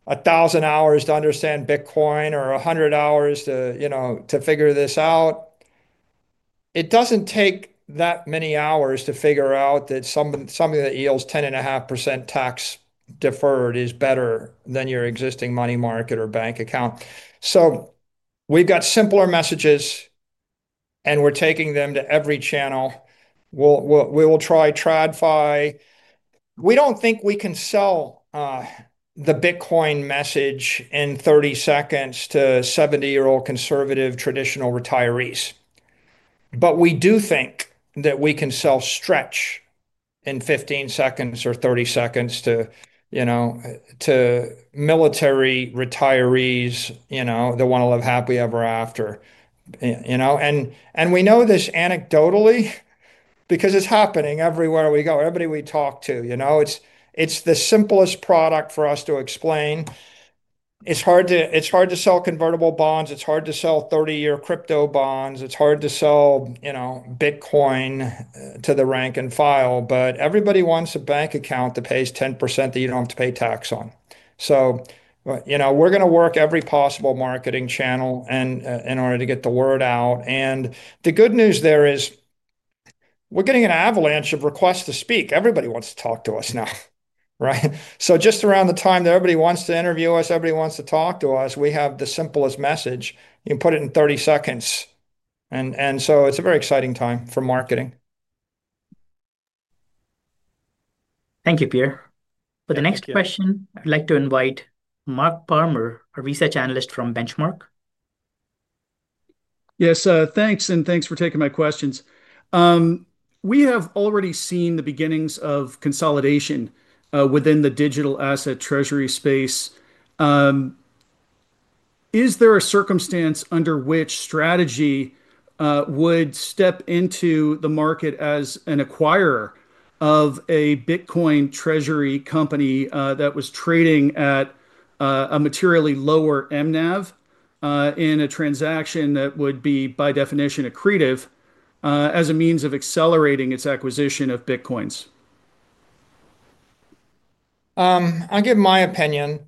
1,000 hours to understand Bitcoin or 100 hours to figure this out? It does not take that many hours to figure out that something that yields 10.5% tax deferred is better than your existing money market or bank account. We've got simpler messages, and we're taking them to every channel. We will try TradFi. We don't think we can sell the Bitcoin message in 30 seconds to 70-year-old conservative traditional retirees but we do think that we can sell Stretch in 15 seconds or 30 seconds to, you know, military retirees that want to live happily ever after. We know this anecdotally because it's happening everywhere we go, everybody we talk to. It's the simplest product for us to explain. It's hard to sell convertible bonds. It's hard to sell 30-year crypto bonds. It's hard to sell Bitcoin to the rank and file, but everybody wants a bank account that pays 10% that you don't have to pay tax on. We are going to work every possible marketing channel in order to get the word out. The good news there is we're getting an avalanche of requests to speak. Everybody wants to talk to us now, right? Just around the time that everybody wants to interview us, everybody wants to talk to us, we have the simplest message. You can put it in 30 seconds. It's a very exciting time for marketing. Thank you, Pierre. For the next question, I'd like to invite Mark Palmer, a research analyst from Benchmark. Yes, thanks. Thanks for taking my questions. We have already seen the beginnings of consolidation within the digital asset treasury space. Is there a circumstance under which Strategy would step into the market as an acquirer of a Bitcoin treasury company that was trading at a materially lower MNEV, in a transaction that would be by definition accretive, as a means of accelerating its acquisition of Bitcoins? I'll give my opinion,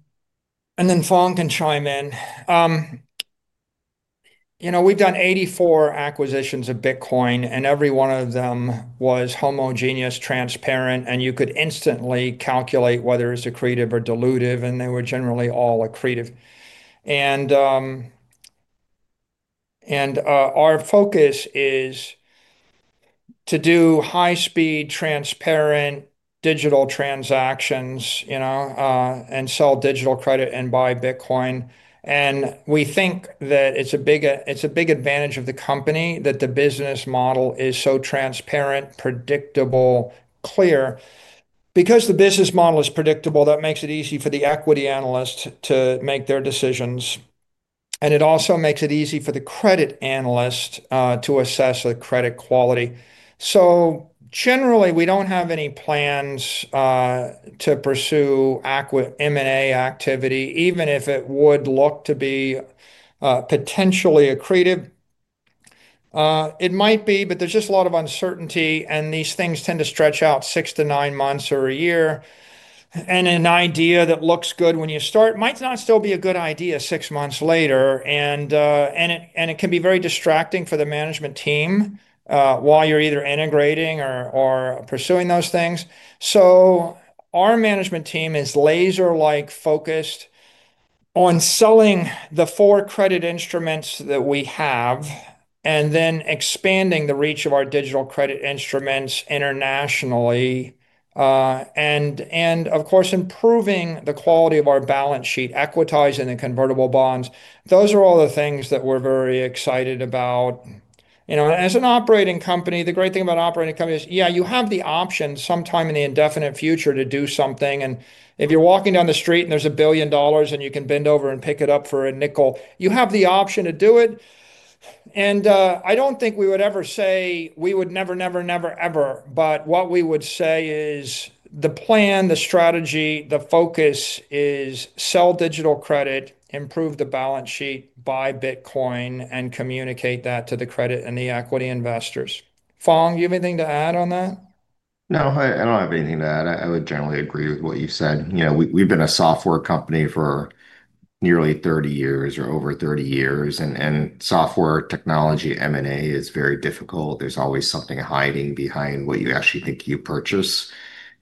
and then Phong can chime in. We've done 84 acquisitions of Bitcoin, and every one of them was homogeneous, transparent, and you could instantly calculate whether it's accretive or dilutive, and they were generally all accretive. Our focus is to do high-speed, transparent digital transactions, and sell digital credit and buy Bitcoin. We think that it's a big advantage of the company that the business model is so transparent, predictable, clear. Because the business model is predictable, that makes it easy for the equity analyst to make their decisions. It also makes it easy for the credit analyst to assess the credit quality. Generally, we don't have any plans to pursue M&A activity, even if it would look to be potentially accretive. It might be, but there's just a lot of uncertainty, and these things tend to stretch out six to nine months or a year. An idea that looks good when you start might not still be a good idea six months later. It can be very distracting for the management team while you're either integrating or pursuing those things. Our management team is laser-like focused on selling the four credit instruments that we have, and then expanding the reach of our digital credit instruments internationally, and of course, improving the quality of our balance sheet, equitizing the convertible bonds. Those are all the things that we're very excited about. You know, as an operating company, the great thing about an operating company is, yeah, you have the option sometime in the indefinite future to do something. If you're walking down the street and there's a billion dollars and you can bend over and pick it up for a nickel, you have the option to do it. I don't think we would ever say we would never, never, never, ever. What we would say is the plan, the strategy, the focus is sell digital credit, improve the balance sheet, buy Bitcoin, and communicate that to the credit and the equity investors. Phong, do you have anything to add on that? No, I don't have anything to add. I would generally agree with what you said. You know, we've been a software company for nearly 30 years or over 30 years, and software technology M&A is very difficult. There's always something hiding behind what you actually think you purchase.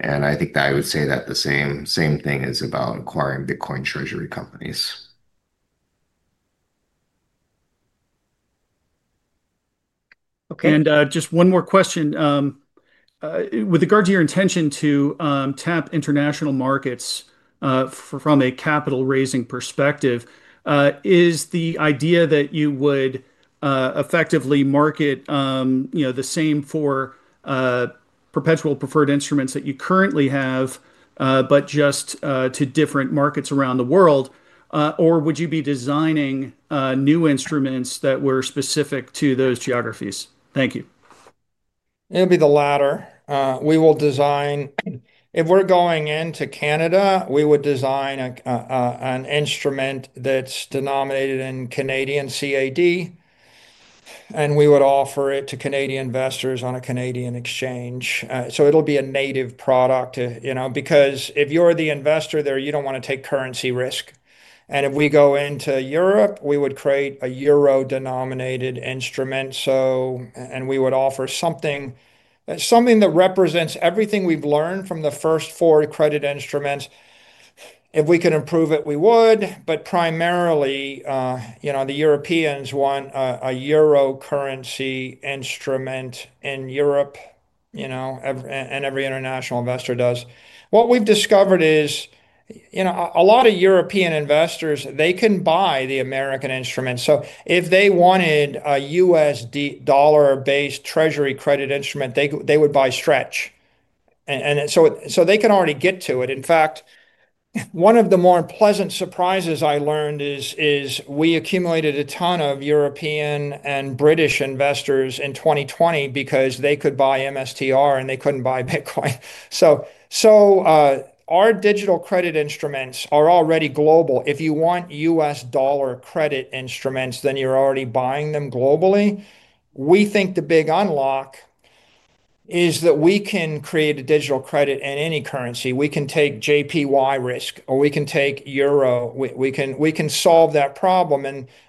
I think that I would say that the same thing is about acquiring Bitcoin treasury companies. Okay. Just one more question. With regard to your intention to tap international markets from a capital raising perspective, is the idea that you would effectively market, you know, the same four perpetual preferred instruments that you currently have, but just to different markets around the world, or would you be designing new instruments that were specific to those geographies? Thank you. It'd be the latter. We will design. If we're going into Canada, we would design an instrument that's denominated in Canadian CAD and we would offer it to Canadian investors on a Canadian exchange, so it'll be a native product because if you are the investor there, you don't want to take currency risk. If we go into Europe, we would create a euro denominated instrument. We would offer something that represents everything we've learned from the first four credit instruments. If we could improve it, we would, but primarily, the Europeans want a euro currency instrument in Europe. Every international investor does. What we've discovered is a lot of European investors can buy the American instrument. If they wanted a USD dollar-based treasury credit instrument, they would buy Stretch, so they can already get to it. In fact, one of the more pleasant surprises I learned is we accumulated a ton of European and British investors in 2020 because they could buy MSTR and they couldn't buy Bitcoin. Our digital credit instruments are already global. If you want US dollar credit instruments, then you're already buying them globally. We think the big unlock is that we can create a digital credit in any currency. We can take JPY risk or we can take euro. We can solve that problem.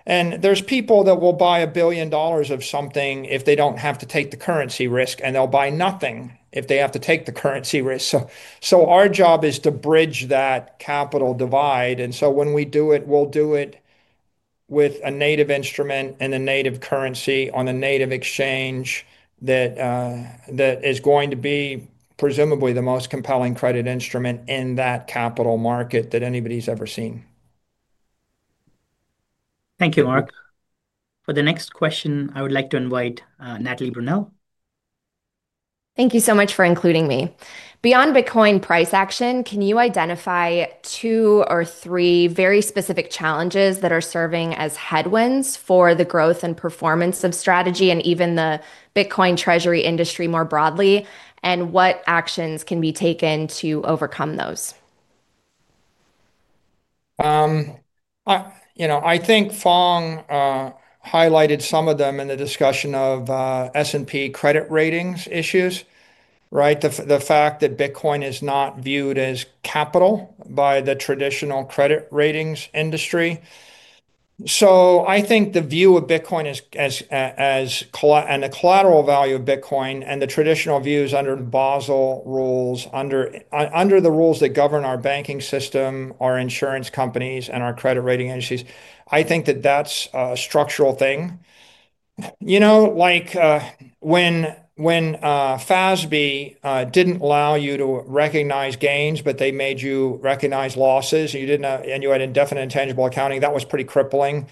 There are people that will buy $1 billion of something if they don't have to take the currency risk, and they'll buy nothing if they have to take the currency risk. Our job is to bridge that capital divide. When we do it, we'll do it with a native instrument and a native currency on a native exchange that is going to be presumably the most compelling credit instrument in that capital market that anybody's ever seen. Thank you, Mark. For the next question, I would like to invite Natalie Brunell. Thank you so much for including me. Beyond Bitcoin price action, can you identify two or three very specific challenges that are serving as headwinds for the growth and performance of Strategy and even the Bitcoin treasury industry more broadly, and what actions can be taken to overcome those? I think Phong highlighted some of them in the discussion of S&P credit ratings issues, right? The fact that Bitcoin is not viewed as capital by the traditional credit ratings industry. I think the view of Bitcoin as collateral and the collateral value of Bitcoin and the traditional views under Basel rules, under the rules that govern our banking system, our insurance companies, and our credit rating agencies, I think that that's a structural thing. You know, when FASB didn't allow you to recognize gains, but they made you recognize losses, and you had indefinite intangible accounting, that was pretty crippling.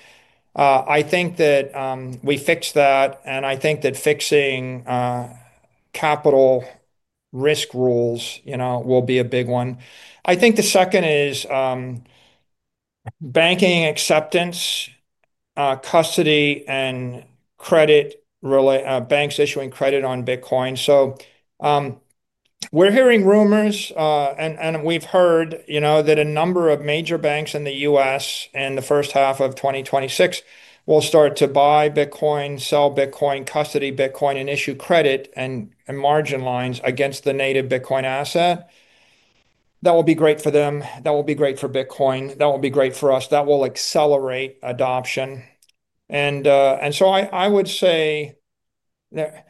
I think that we fixed that, and I think that fixing capital risk rules will be a big one. I think the second is banking acceptance, custody and credit, banks issuing credit on Bitcoin. We're hearing rumors, and we've heard that a number of major banks in the U.S. in the first half of 2026 will start to buy Bitcoin, sell Bitcoin, custody Bitcoin, and issue credit and margin lines against the native Bitcoin asset. That will be great for them. That will be great for Bitcoin. That will be great for us. That will accelerate adoption. I would say that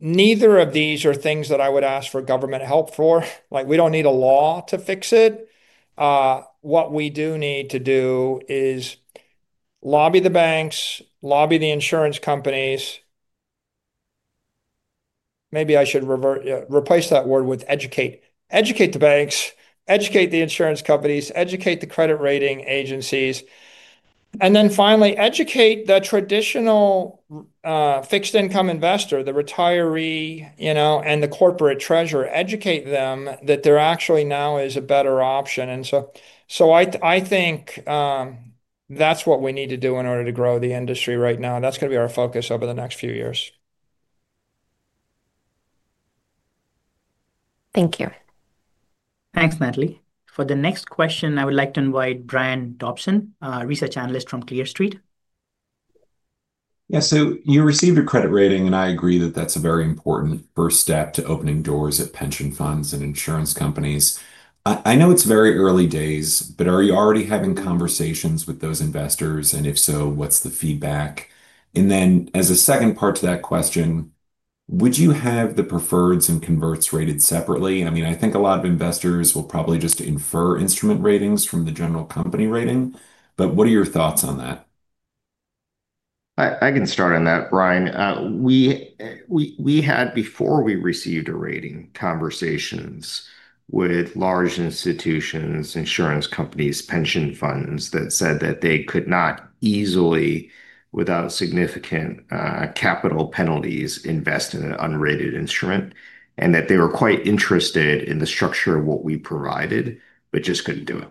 neither of these are things that I would ask for government help for. We don't need a law to fix it. What we do need to do is lobby the banks, lobby the insurance companies. Maybe I should revert, replace that word with educate, educate the banks, educate the insurance companies, educate the credit rating agencies. Finally, educate the traditional fixed income investor, the retiree, and the corporate treasurer, educate them that there actually now is a better option. I think that's what we need to do in order to grow the industry right now. That is going to be our focus over the next few years. Thank you. Thanks, Natalie. For the next question, I would like to invite Brian Dobson, research analyst from Clear Street. Yeah. You received a credit rating, and I agree that that's a very important first step to opening doors at pension funds and insurance companies. I know it's very early days, but are you already having conversations with those investors? If so, what's the feedback? As a second part to that question, would you have the preferreds and converts rated separately? I think a lot of investors will probably just infer instrument ratings from the general company rating, but what are your thoughts on that? I can start on that, Brian. We had, before we received a rating, conversations with large institutions, insurance companies, pension funds that said that they could not easily, without significant capital penalties, invest in an unrated instrument and that they were quite interested in the structure of what we provided, but just couldn't do it.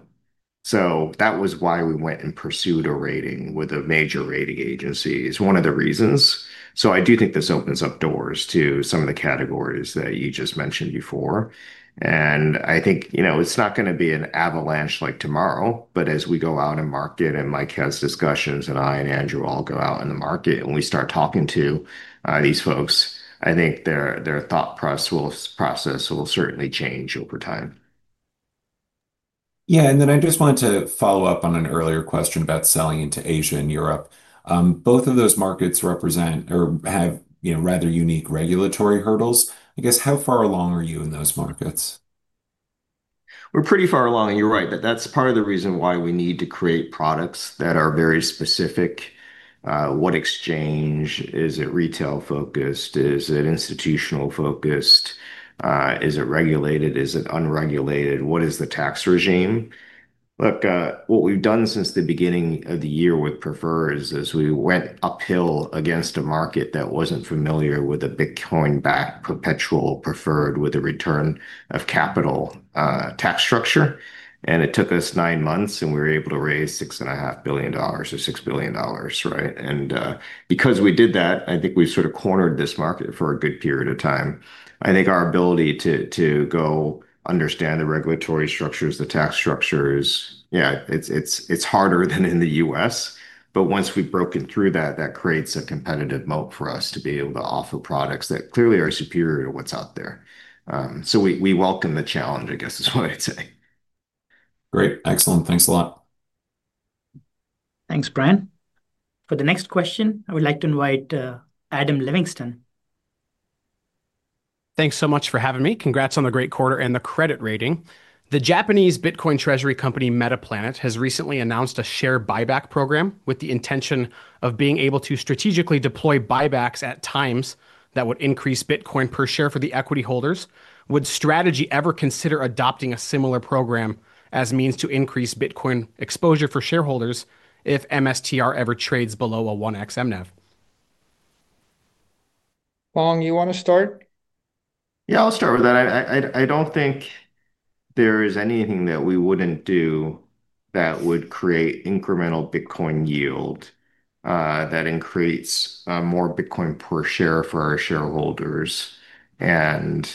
That was why we went and pursued a rating with a major rating agency as one of the reasons. I do think this opens up doors to some of the categories that you just mentioned before. I think, you know, it's not going to be an avalanche like tomorrow, but as we go out in market and Mike has discussions and I and Andrew all go out in the market and we start talking to these folks, I think their thought process will certainly change over time. I just wanted to follow up on an earlier question about selling into Asia and Europe. Both of those markets represent or have, you know, rather unique regulatory hurdles. I guess, how far along are you in those markets? We're pretty far along, and you're right, but that's part of the reason why we need to create products that are very specific. What exchange? Is it retail focused? Is it institutional focused? Is it regulated? Is it unregulated? What is the tax regime? Look, what we've done since the beginning of the year with Prefer is, we went uphill against a market that wasn't familiar with a Bitcoin backed perpetual preferred with a return of capital tax structure. It took us nine months, and we were able to raise $6.5 billion or $6 billion, right? Because we did that, I think we've sort of cornered this market for a good period of time. I think our ability to go understand the regulatory structures, the tax structures, yeah, it's harder than in the U.S., but once we've broken through that, that creates a competitive moat for us to be able to offer products that clearly are superior to what's out there. We welcome the challenge, I guess is what I'd say. Great. Excellent. Thanks a lot. Thanks, Brian. For the next question, I would like to invite Adam Livingston. Thanks so much for having me. Congrats on the great quarter and the credit rating. The Japanese Bitcoin treasury company Metaplanet has recently announced a share buyback program with the intention of being able to strategically deploy buybacks at times that would increase Bitcoin per share for the equity holders. Would Strategy ever consider adopting a similar program as means to increase Bitcoin exposure for shareholders if MSTR ever trades below a 1x MNEV? Phong, you want to start? Yeah, I'll start with that. I don't think there is anything that we wouldn't do that would create incremental Bitcoin yield. That increase, more Bitcoin per share for our shareholders, and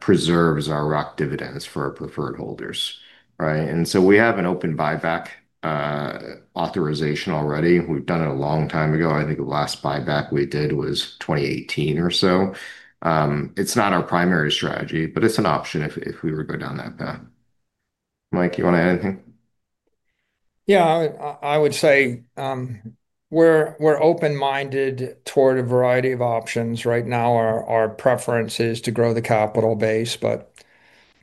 preserves our ROC dividends for our preferred holders, right? We have an open buyback authorization already. We did it a long time ago. I think the last buyback we did was 2018 or so. It's not our primary strategy, but it's an option if we were to go down that path. Mike, you want to add anything? Yeah, I would say we're open-minded toward a variety of options right now. Our preference is to grow the capital base, but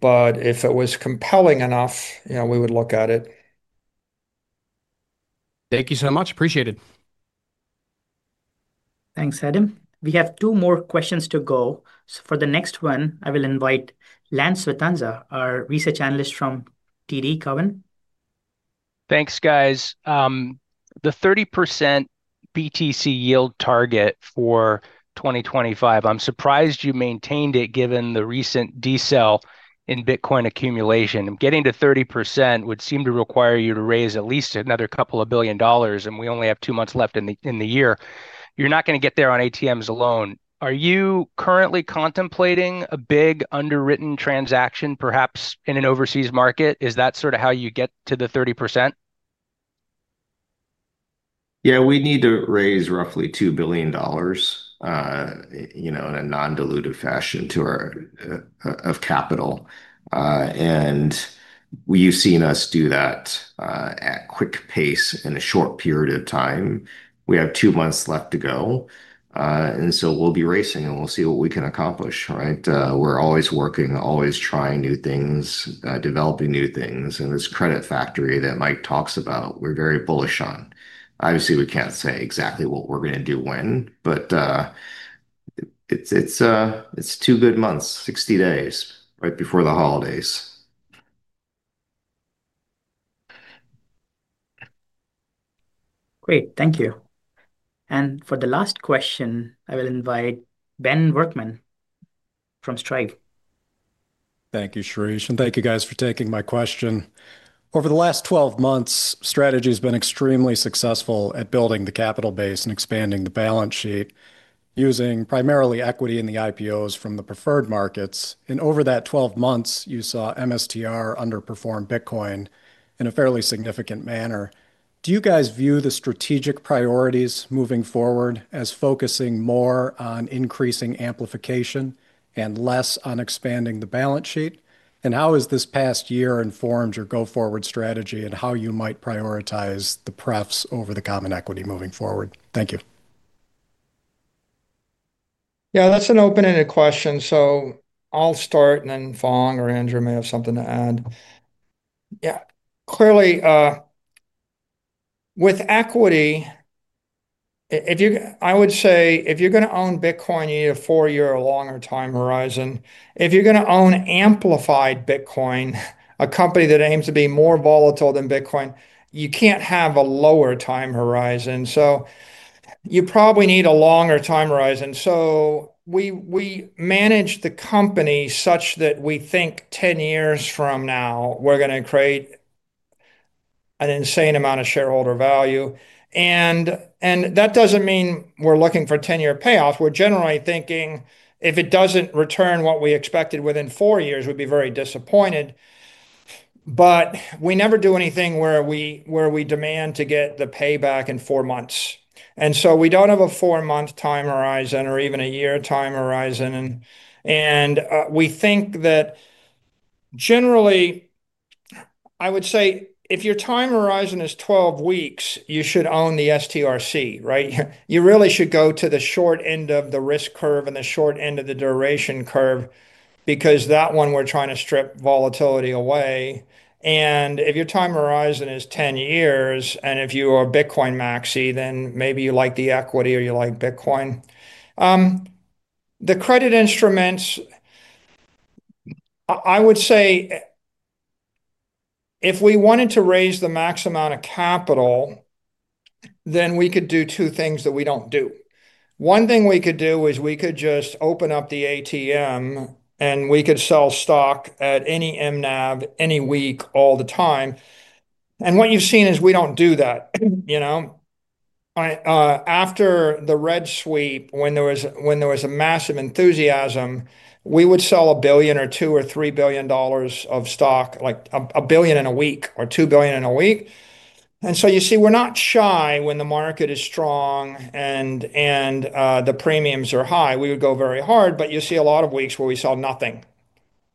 if it was compelling enough, we would look at it. Thank you so much. Appreciate it. Thanks, Adam. We have two more questions to go. For the next one, I will invite Lance Vitanza, our research analyst from TD Cowen. Thanks, guys. The 30% BTC yield target for 2025, I'm surprised you maintained it given the recent decel in Bitcoin accumulation. Getting to 30% would seem to require you to raise at least another couple of billion dollars, and we only have two months left in the year. You're not going to get there on ATMs alone. Are you currently contemplating a big underwritten transaction, perhaps in an overseas market? Is that sort of how you get to the 30%? Yeah, we need to raise roughly $2 billion, you know, in a non-dilutive fashion to our capital. We've seen us do that at quick pace in a short period of time. We have two months left to go, and we'll be racing and we'll see what we can accomplish, right? We're always working, always trying new things, developing new things. This credit factory that Mike talks about, we're very bullish on. Obviously, we can't say exactly what we're going to do when, but it's two good months, 60 days, right before the holidays. Great. Thank you. For the last question, I will invite Ben Workman from Strive. Thank you, Shirish. And thank you guys for taking my question. Over the last 12 months, Strategy has been extremely successful at building the capital base and expanding the balance sheet using primarily equity in the IPOs from the preferred markets. Over that 12 months, you saw MSTR underperform Bitcoin in a fairly significant manner. Do you guys view the strategic priorities moving forward as focusing more on increasing amplification and less on expanding the balance sheet? How has this past year informed your go-forward strategy and how you might prioritize the prefs over the common equity moving forward? Thank you. Yeah, that's an open-ended question. I'll start, and then Phong or Andrew may have something to add. Clearly, with equity, if you, I would say, if you're going to own Bitcoin, you need a four-year or longer time horizon. If you're going to own amplified Bitcoin, a company that aims to be more volatile than Bitcoin, you can't have a lower time horizon. You probably need a longer time horizon. We manage the company such that we think 10 years from now we're going to create an insane amount of shareholder value. That doesn't mean we're looking for a 10-year payoff. We're generally thinking if it doesn't return what we expected within four years, we'd be very disappointed. We never do anything where we demand to get the payback in four months. We don't have a four-month time horizon or even a year time horizon. We think that generally, I would say if your time horizon is 12 weeks, you should own the STRC, right? You really should go to the short end of the risk curve and the short end of the duration curve because that one we're trying to strip volatility away. If your time horizon is 10 years, and if you are Bitcoin maxi, then maybe you like the equity or you like Bitcoin, the credit instruments. I would say if we wanted to raise the maximum amount of capital, then we could do two things that we don't do. One thing we could do is we could just open up the ATM and we could sell stock at any MNAV, any week, all the time. What you've seen is we don't do that, you know? After the red sweep, when there was a massive enthusiasm, we would sell $1 billion or $2 billion or $3 billion of stock, like $1 billion in a week or $2 billion in a week. You see, we're not shy when the market is strong and the premiums are high. We would go very hard, but you see a lot of weeks where we sell nothing.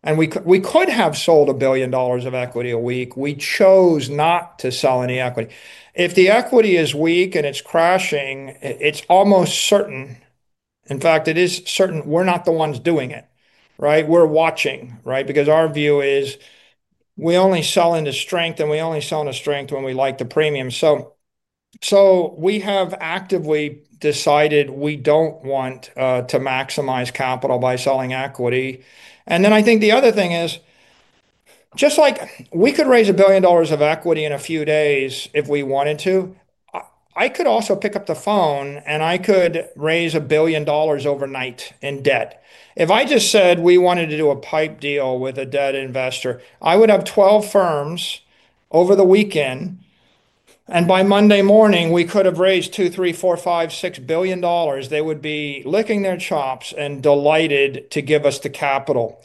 We could have sold $1 billion of equity a week. We chose not to sell any equity. If the equity is weak and it's crashing, it's almost certain. In fact, it is certain we're not the ones doing it, right? We're watching, right? Our view is we only sell into strength, and we only sell into strength when we like the premium. We have actively decided we don't want to maximize capital by selling equity. I think the other thing is. Just like we could raise $1 billion of equity in a few days if we wanted to, I could also pick up the phone and I could raise $1 billion overnight in debt. If I just said we wanted to do a pipe deal with a debt investor, I would have 12 firms over the weekend and by Monday morning, we could have raised $2 billion, $3 billion, $4 billion, $5 billion, $6 billion. They would be licking their chops and delighted to give us the capital.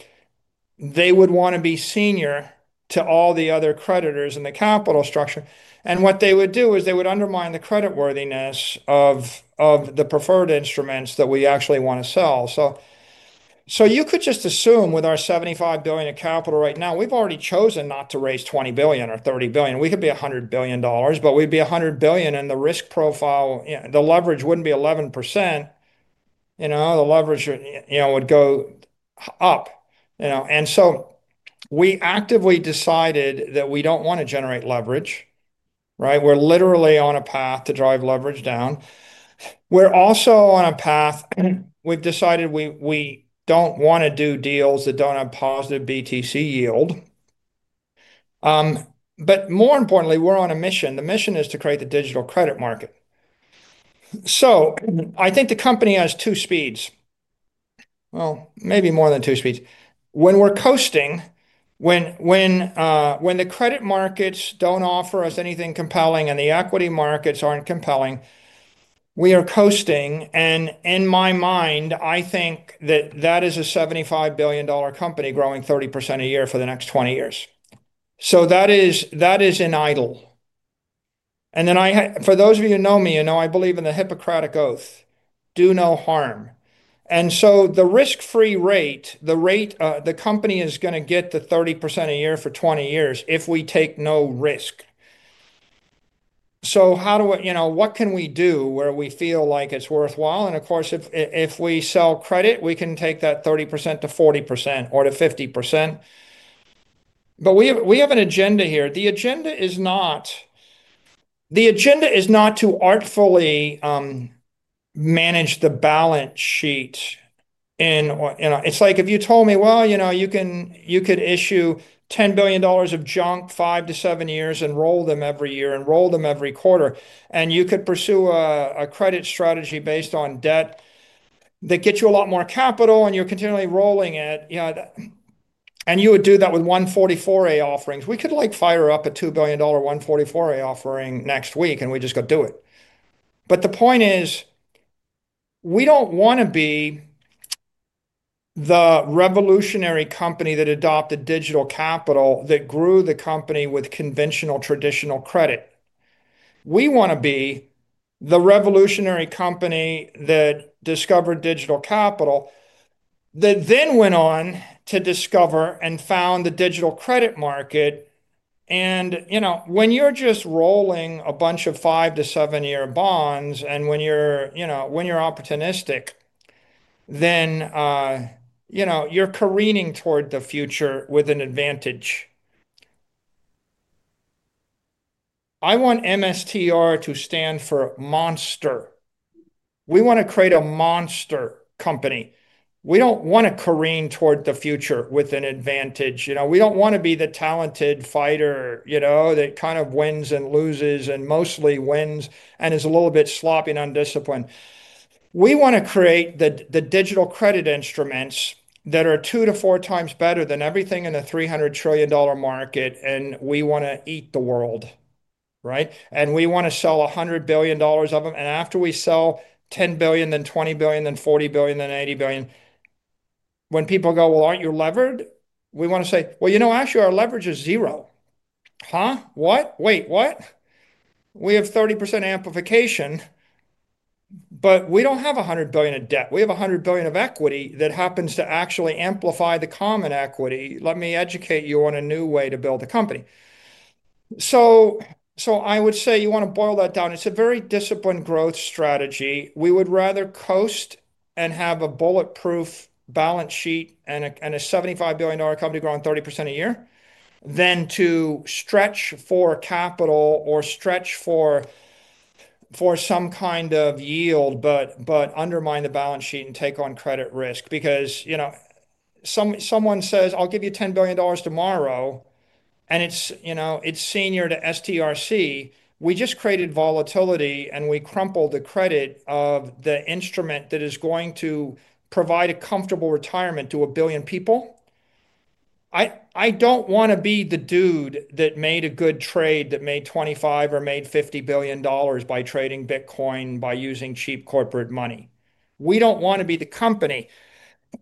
They would want to be senior to all the other creditors in the capital structure. What they would do is they would undermine the creditworthiness of the preferred instruments that we actually want to sell. You could just assume with our $75 billion of capital right now, we've already chosen not to raise $20 billion or $30 billion. We could be $100 billion, but we'd be $100 billion and the risk profile, you know, the leverage wouldn't be 11%. The leverage would go up, you know? We actively decided that we don't want to generate leverage. We're literally on a path to drive leverage down. We're also on a path. We've decided we don't want to do deals that don't have positive BTC yield. More importantly, we're on a mission. The mission is to create the digital credit market. I think the company has two speeds, maybe more than two speeds. When we're coasting, when the credit markets don't offer us anything compelling and the equity markets aren't compelling, we are coasting. In my mind, I think that is a $75 billion company growing 30% a year for the next 20 years. That is an idle. For those of you who know me, you know I believe in the Hippocratic oath, do no harm. The risk-free rate, the rate, the company is going to get to 30% a year for 20 years if we take no risk. How do we, you know, what can we do where we feel like it's worthwhile? Of course, if we sell credit, we can take that 30% to 40% or to 50%. We have an agenda here. The agenda is not to artfully manage the balance sheet. It's like if you told me, well, you could issue $10 billion of junk five to seven years and roll them every year and roll them every quarter, and you could pursue a credit strategy based on debt that gets you a lot more capital and you're continually rolling it. You would do that with 144A offerings. We could fire up a $2 billion 144A offering next week and we just go do it. The point is, we don't wanna be the revolutionary company that adopted digital capital that grew the company with conventional traditional credit. We wanna be the revolutionary company that discovered digital capital, that then went on to discover and found the digital credit market. You know, when you're just rolling a bunch of five to seven-year bonds and when you're opportunistic, then you're careening toward the future with an advantage. I want MSTR to stand for monster. We wanna create a monster company. We don't wanna careen toward the future with an advantage. You know, we don't wanna be the talented fighter, you know, that kind of wins and loses and mostly wins and is a little bit sloppy and undisciplined. We wanna create the digital credit instruments that are 2x-4x better than everything in the $300 trillion market and we wanna eat the world, right? We wanna sell $100 billion of 'em. After we sell $10 billion, then $20 billion, then $40 billion, then $80 billion, when people go, aren't you levered? We wanna say, you know, actually our leverage is zero. Huh? What? Wait, what? We have 30% amplification, but we don't have $100 billion of debt. We have $100 billion of equity that happens to actually amplify the common equity. Let me educate you on a new way to build a company. I would say you wanna boil that down. It's a very disciplined growth strategy. We would rather coast and have a bulletproof balance sheet and a $75 billion company growing 30% a year than to stretch for capital or stretch for some kind of yield, but undermine the balance sheet and take on credit risk. You know, someone says, I'll give you $10 billion tomorrow and it's senior to STRC. We just created volatility and we crumpled the credit of the instrument that is going to provide a comfortable retirement to 1 billion people. I don't wanna be the dude that made a good trade that made $25 billion or made $50 billion by trading Bitcoin by using cheap corporate money. We don't wanna be the company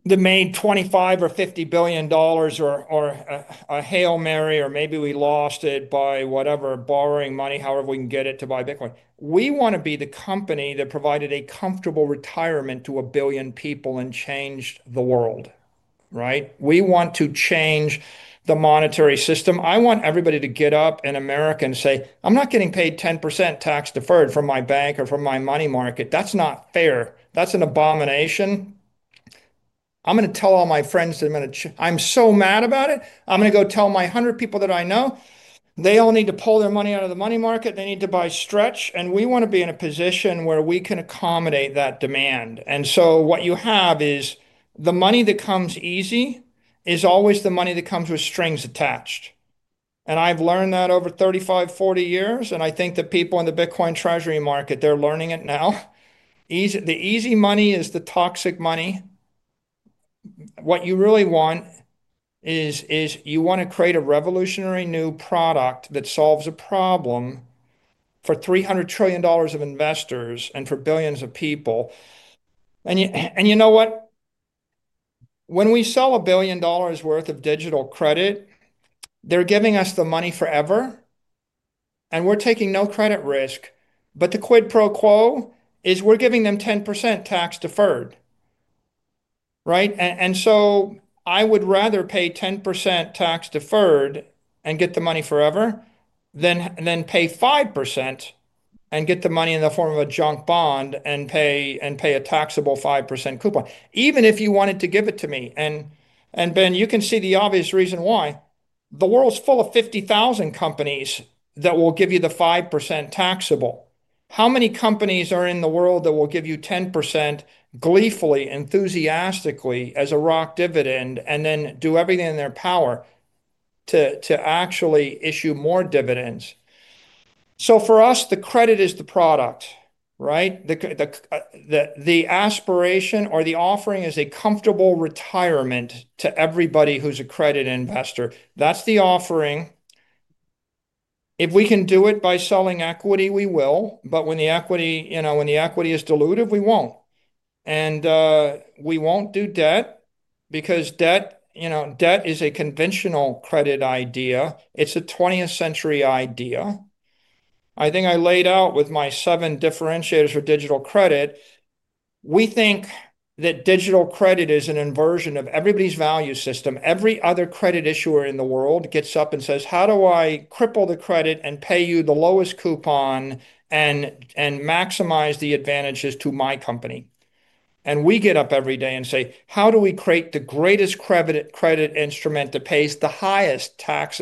that made $25 billion or $50 billion or a Hail Mary, or maybe we lost it by whatever, borrowing money, however we can get it to buy Bitcoin. We wanna be the company that provided a comfortable retirement to 1 billion people and changed the world, right? We want to change the monetary system. I want everybody to get up in America and say, "I'm not getting paid 10% tax deferred from my bank or from my money market. That's not fair. That's an abomination. I'm going to tell all my friends that I'm so mad about it. I'm going to go tell my 100 people that I know, they all need to pull their money out of the money market. They need to buy Stretch." We want to be in a position where we can accommodate that demand. What you have is the money that comes easy is always the money that comes with strings attached. I've learned that over 35, 40 years. I think the people in the Bitcoin treasury market, they're learning it now. The easy money is the toxic money. What you really want is, you want to create a revolutionary new product that solves a problem for $300 trillion of investors and for billions of people. You know what? When we sell $1 billion worth of digital credit, they're giving us the money forever, and we're taking no credit risk. The quid pro quo is we're giving them 10% tax deferred, right? I would rather pay 10% tax deferred and get the money forever than pay 5% and get the money in the form of a junk bond and pay a taxable 5% coupon, even if you wanted to give it to me. Ben, you can see the obvious reason why the world's full of 50,000 companies that will give you the 5% taxable. How many companies are in the world that will give you 10% gleefully, enthusiastically as a rock dividend, and then do everything in their power to actually issue more dividends? For us, the credit is the product, right? The aspiration or the offering is a comfortable retirement to everybody who's a credit investor. That's the offering. If we can do it by selling equity, we will. When the equity is diluted, we won't. We won't do debt because debt is a conventional credit idea. It's a 20th century idea. I think I laid out with my seven differentiators for digital credit. We think that digital credit is an inversion of everybody's value system. Every other credit issuer in the world gets up and says, how do I cripple the credit and pay you the lowest coupon and maximize the advantages to my company? We get up every day and say, how do we create the greatest credit instrument that pays the highest tax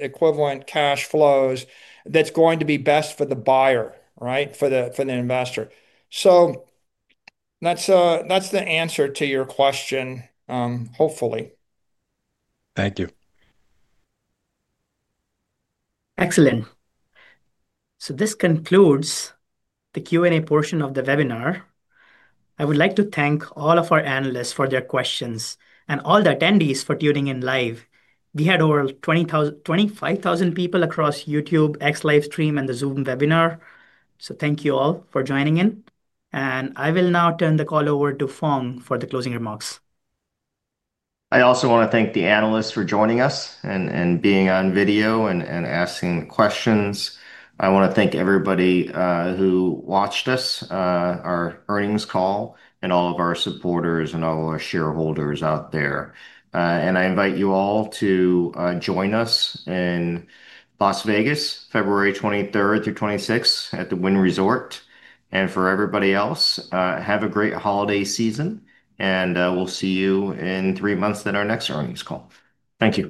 equivalent cash flows that's going to be best for the buyer, for the investor. That's the answer to your question, hopefully. Thank you. Excellent. This concludes the Q&A portion of the webinar. I would like to thank all of our analysts for their questions and all the attendees for tuning in live. We had over 25,000 people across YouTube, X Live Stream, and the Zoom webinar. Thank you all for joining in. I will now turn the call over to Phong for the closing remarks. I also want to thank the analysts for joining us and being on video and asking questions. I want to thank everybody who watched us, our earnings call, and all of our supporters and all of our shareholders out there. I invite you all to join us in Las Vegas, February 23rd through 26th at the Wynn Resort. For everybody else, have a great holiday season and we'll see you in three months at our next earnings call. Thank you.